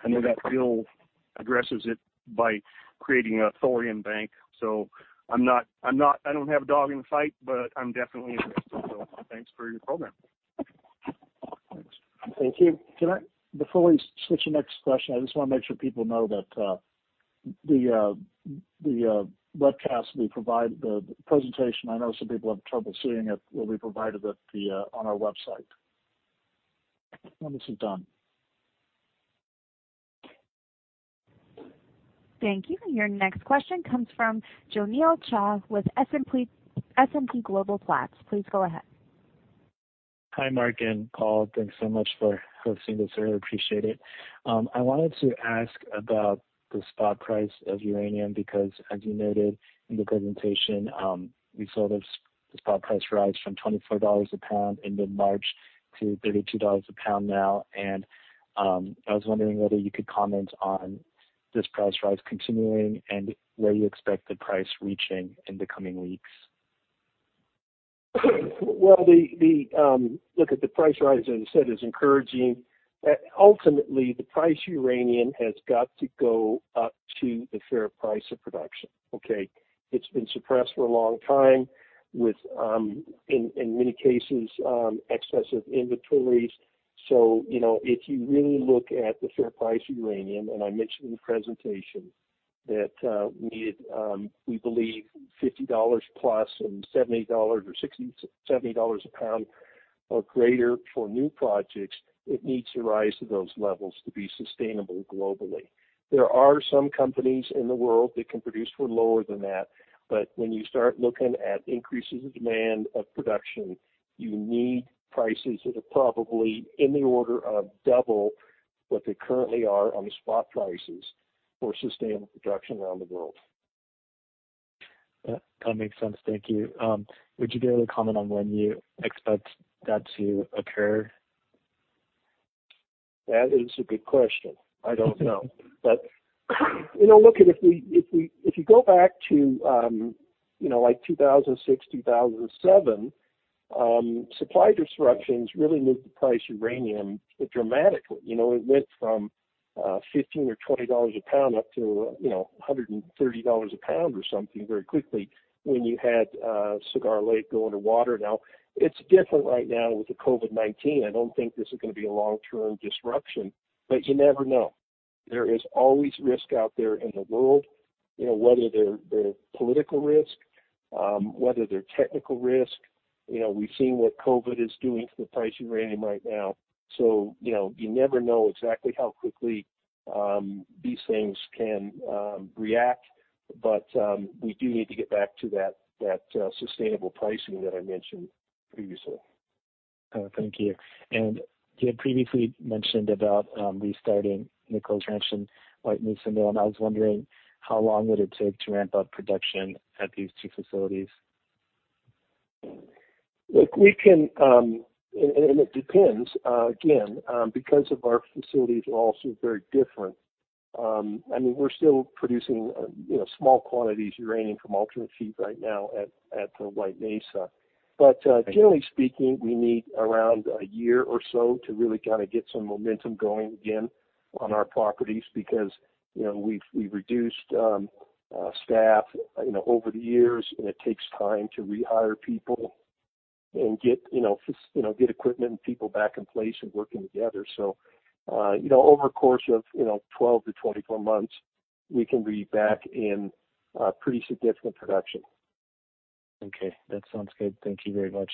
I know that bill addresses it by creating a thorium bank, so I'm not, I don't have a dog in the fight, but I'm definitely interested. So thanks for your program. Thank you. Can I, before we switch to the next question, I just wanna make sure people know that the webcast we provide, the presentation, I know some people have trouble seeing it, will be provided on our website when this is done. Thank you. And your next question comes from Jenil Shah with S&P, S&P Global Platts. Please go ahead. Hi, Mark and Paul. Thanks so much for hosting this. I really appreciate it. I wanted to ask about the spot price of uranium, because as you noted in the presentation, we saw the spot price rise from $24 a pound in mid-March to $32 a pound now. And, I was wondering whether you could comment on this price rise continuing and where you expect the price reaching in the coming weeks? Well, look at the price rise, as I said, is encouraging. Ultimately, the uranium price has got to go up to the fair price of production, okay? It's been suppressed for a long time with, in many cases, excessive inventories. So you know, if you really look at the fair uranium price, and I mentioned in the presentation, that, we need, we believe $50+ and $70 or $60-$70 a pound or greater for new projects, it needs to rise to those levels to be sustainable globally. There are some companies in the world that can produce for lower than that, but when you start looking at increases in demand of production, you need prices that are probably in the order of double what they currently are on the spot prices for sustainable production around the world. That makes sense. Thank you. Would you be able to comment on when you expect that to occur? That is a good question. I don't know. But, you know, look, if you go back to, you know, like 2006, 2007, supply disruptions really moved the price of uranium dramatically. You know, it went from $15 or $20 a pound up to, you know, $130 a pound or something very quickly when you had Cigar Lake go underwater. Now, it's different right now with the COVID-19. I don't think this is gonna be a long-term disruption, but you never know. There is always risk out there in the world, you know, whether they're political risk, whether they're technical risk. You know, we've seen what COVID is doing to the price of uranium right now. You know, you never know exactly how quickly these things can react, but we do need to get back to that sustainable pricing that I mentioned previously. Thank you. You had previously mentioned about restarting Nichols Ranch and White Mesa Mill, and I was wondering how long would it take to ramp up production at these two facilities? Look, we can. And it depends, again, because of our facilities are all so very different. I mean, we're still producing, you know, small quantities of uranium from alternate feed right now at the White Mesa. But, generally speaking, we need around a year or so to really kind of get some momentum going again on our properties because, you know, we've, we've reduced, staff, you know, over the years, and it takes time to rehire people and get, you know, get equipment and people back in place and working together. So, you know, over a course of, you know, 12-24 months, we can be back in, pretty significant production. Okay, that sounds good. Thank you very much.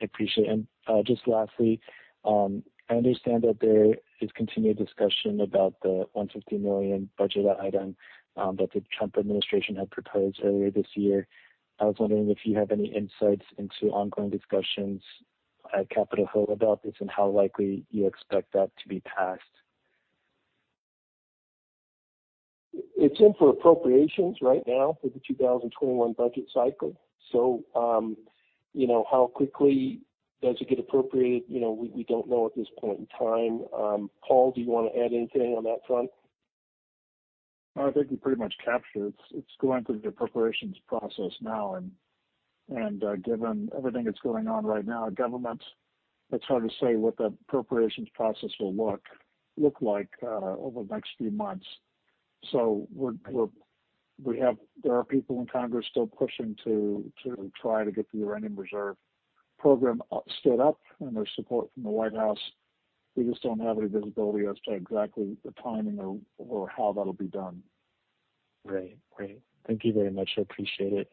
I appreciate it. And just lastly, I understand that there is continued discussion about the $150 million budget item, that the Trump administration had proposed earlier this year. I was wondering if you have any insights into ongoing discussions at Capitol Hill about this, and how likely you expect that to be passed? It's in for appropriations right now for the 2021 budget cycle. So, you know, how quickly does it get appropriated? You know, we don't know at this point in time. Paul, do you want to add anything on that front? I think we pretty much captured. It's going through the appropriations process now, and given everything that's going on right now in government, it's hard to say what the appropriations process will look like over the next few months. So there are people in Congress still pushing to try to get the Uranium Reserve program stood up, and there's support from the White House. We just don't have any visibility as to exactly the timing or how that'll be done. Great. Great. Thank you very much. I appreciate it.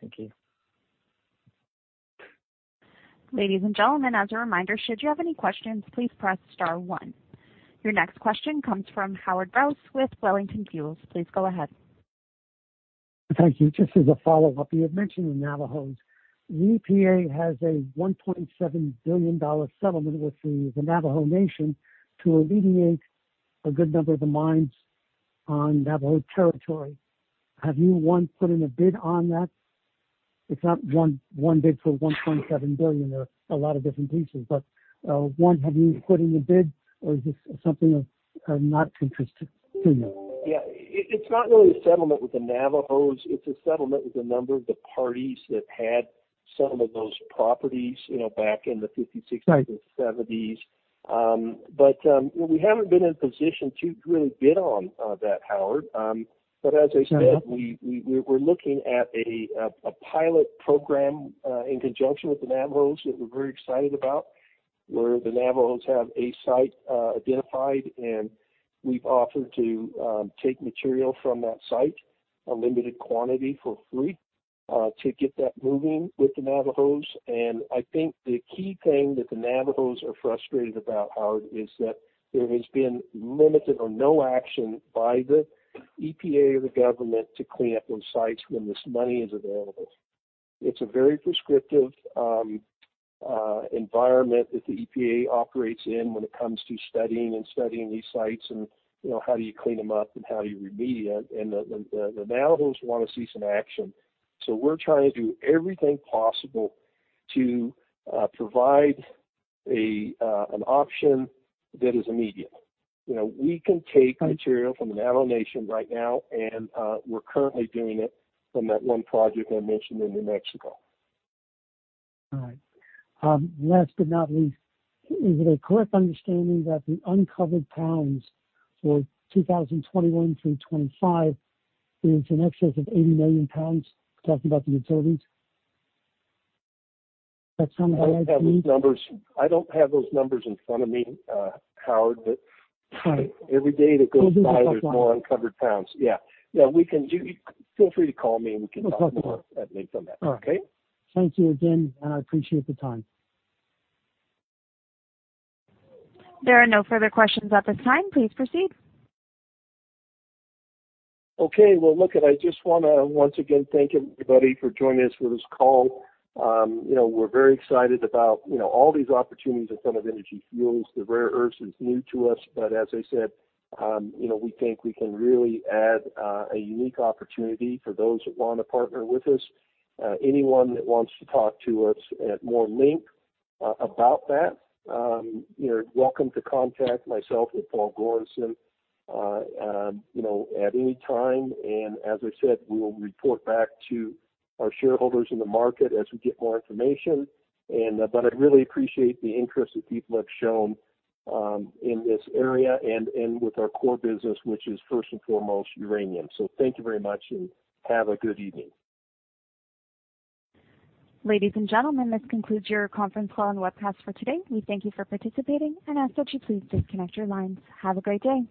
Thank you. Ladies and gentlemen, as a reminder, should you have any questions, please press star one. Your next question comes from Howard Brous with Wellington Shields. Please go ahead. Thank you. Just as a follow-up, you had mentioned the Navajos. The EPA has a $1.7 billion settlement with the Navajo Nation to alleviate a good number of the mines on Navajo territory. Have you, one, put in a bid on that? It's not one bid for $1.7 billion. There are a lot of different pieces, but one, have you put in a bid or is this something of not interesting to you? Yeah, it, it's not really a settlement with the Navajos. It's a settlement with a number of the parties that had some of those properties, you know, back in the 50s, 60s, and 70s. But, we haven't been in a position to really bid on that, Howard. But as I said We're looking at a pilot program in conjunction with the Navajos that we're very excited about, where the Navajos have a site identified, and we've offered to take material from that site, a limited quantity for free, to get that moving with the Navajos. And I think the key thing that the Navajos are frustrated about, Howard, is that there has been limited or no action by the EPA or the government to clean up those sites when this money is available. It's a very prescriptive environment that the EPA operates in when it comes to studying these sites and, you know, how do you clean them up and how do you remediate? And the Navajos want to see some action. So we're trying to do everything possible to provide an option that is immediate. You know, we can take material from the Navajo Nation right now, and we're currently doing it from that one project I mentioned in New Mexico. All right. Last but not least, is it a correct understanding that the uncovered pounds for 2021 through 2025 is in excess of 80 million pounds? Talking about the utilities. That sound right to you? I don't have those numbers. I don't have those numbers in front of me, Howard, every day that goes by, there's more uncovered pounds. Yeah, feel free to call me, and we can talk more. At length on that. Okay? Thank you again, and I appreciate the time. There are no further questions at this time. Please proceed. Okay, well, look, and I just want to once again thank everybody for joining us for this call. You know, we're very excited about, you know, all these opportunities in front of Energy Fuels. The rare earths is new to us, but as I said, you know, we think we can really add a unique opportunity for those that want to partner with us. Anyone that wants to talk to us at more length about that, you're welcome to contact myself or Paul Goranson, you know, at any time. And as I said, we will report back to our shareholders in the market as we get more information. And, but I really appreciate the interest that people have shown in this area and with our core business, which is first and foremost uranium. Thank you very much and have a good evening. Ladies and gentlemen, this concludes your conference call and webcast for today. We thank you for participating and ask that you please disconnect your lines. Have a great day.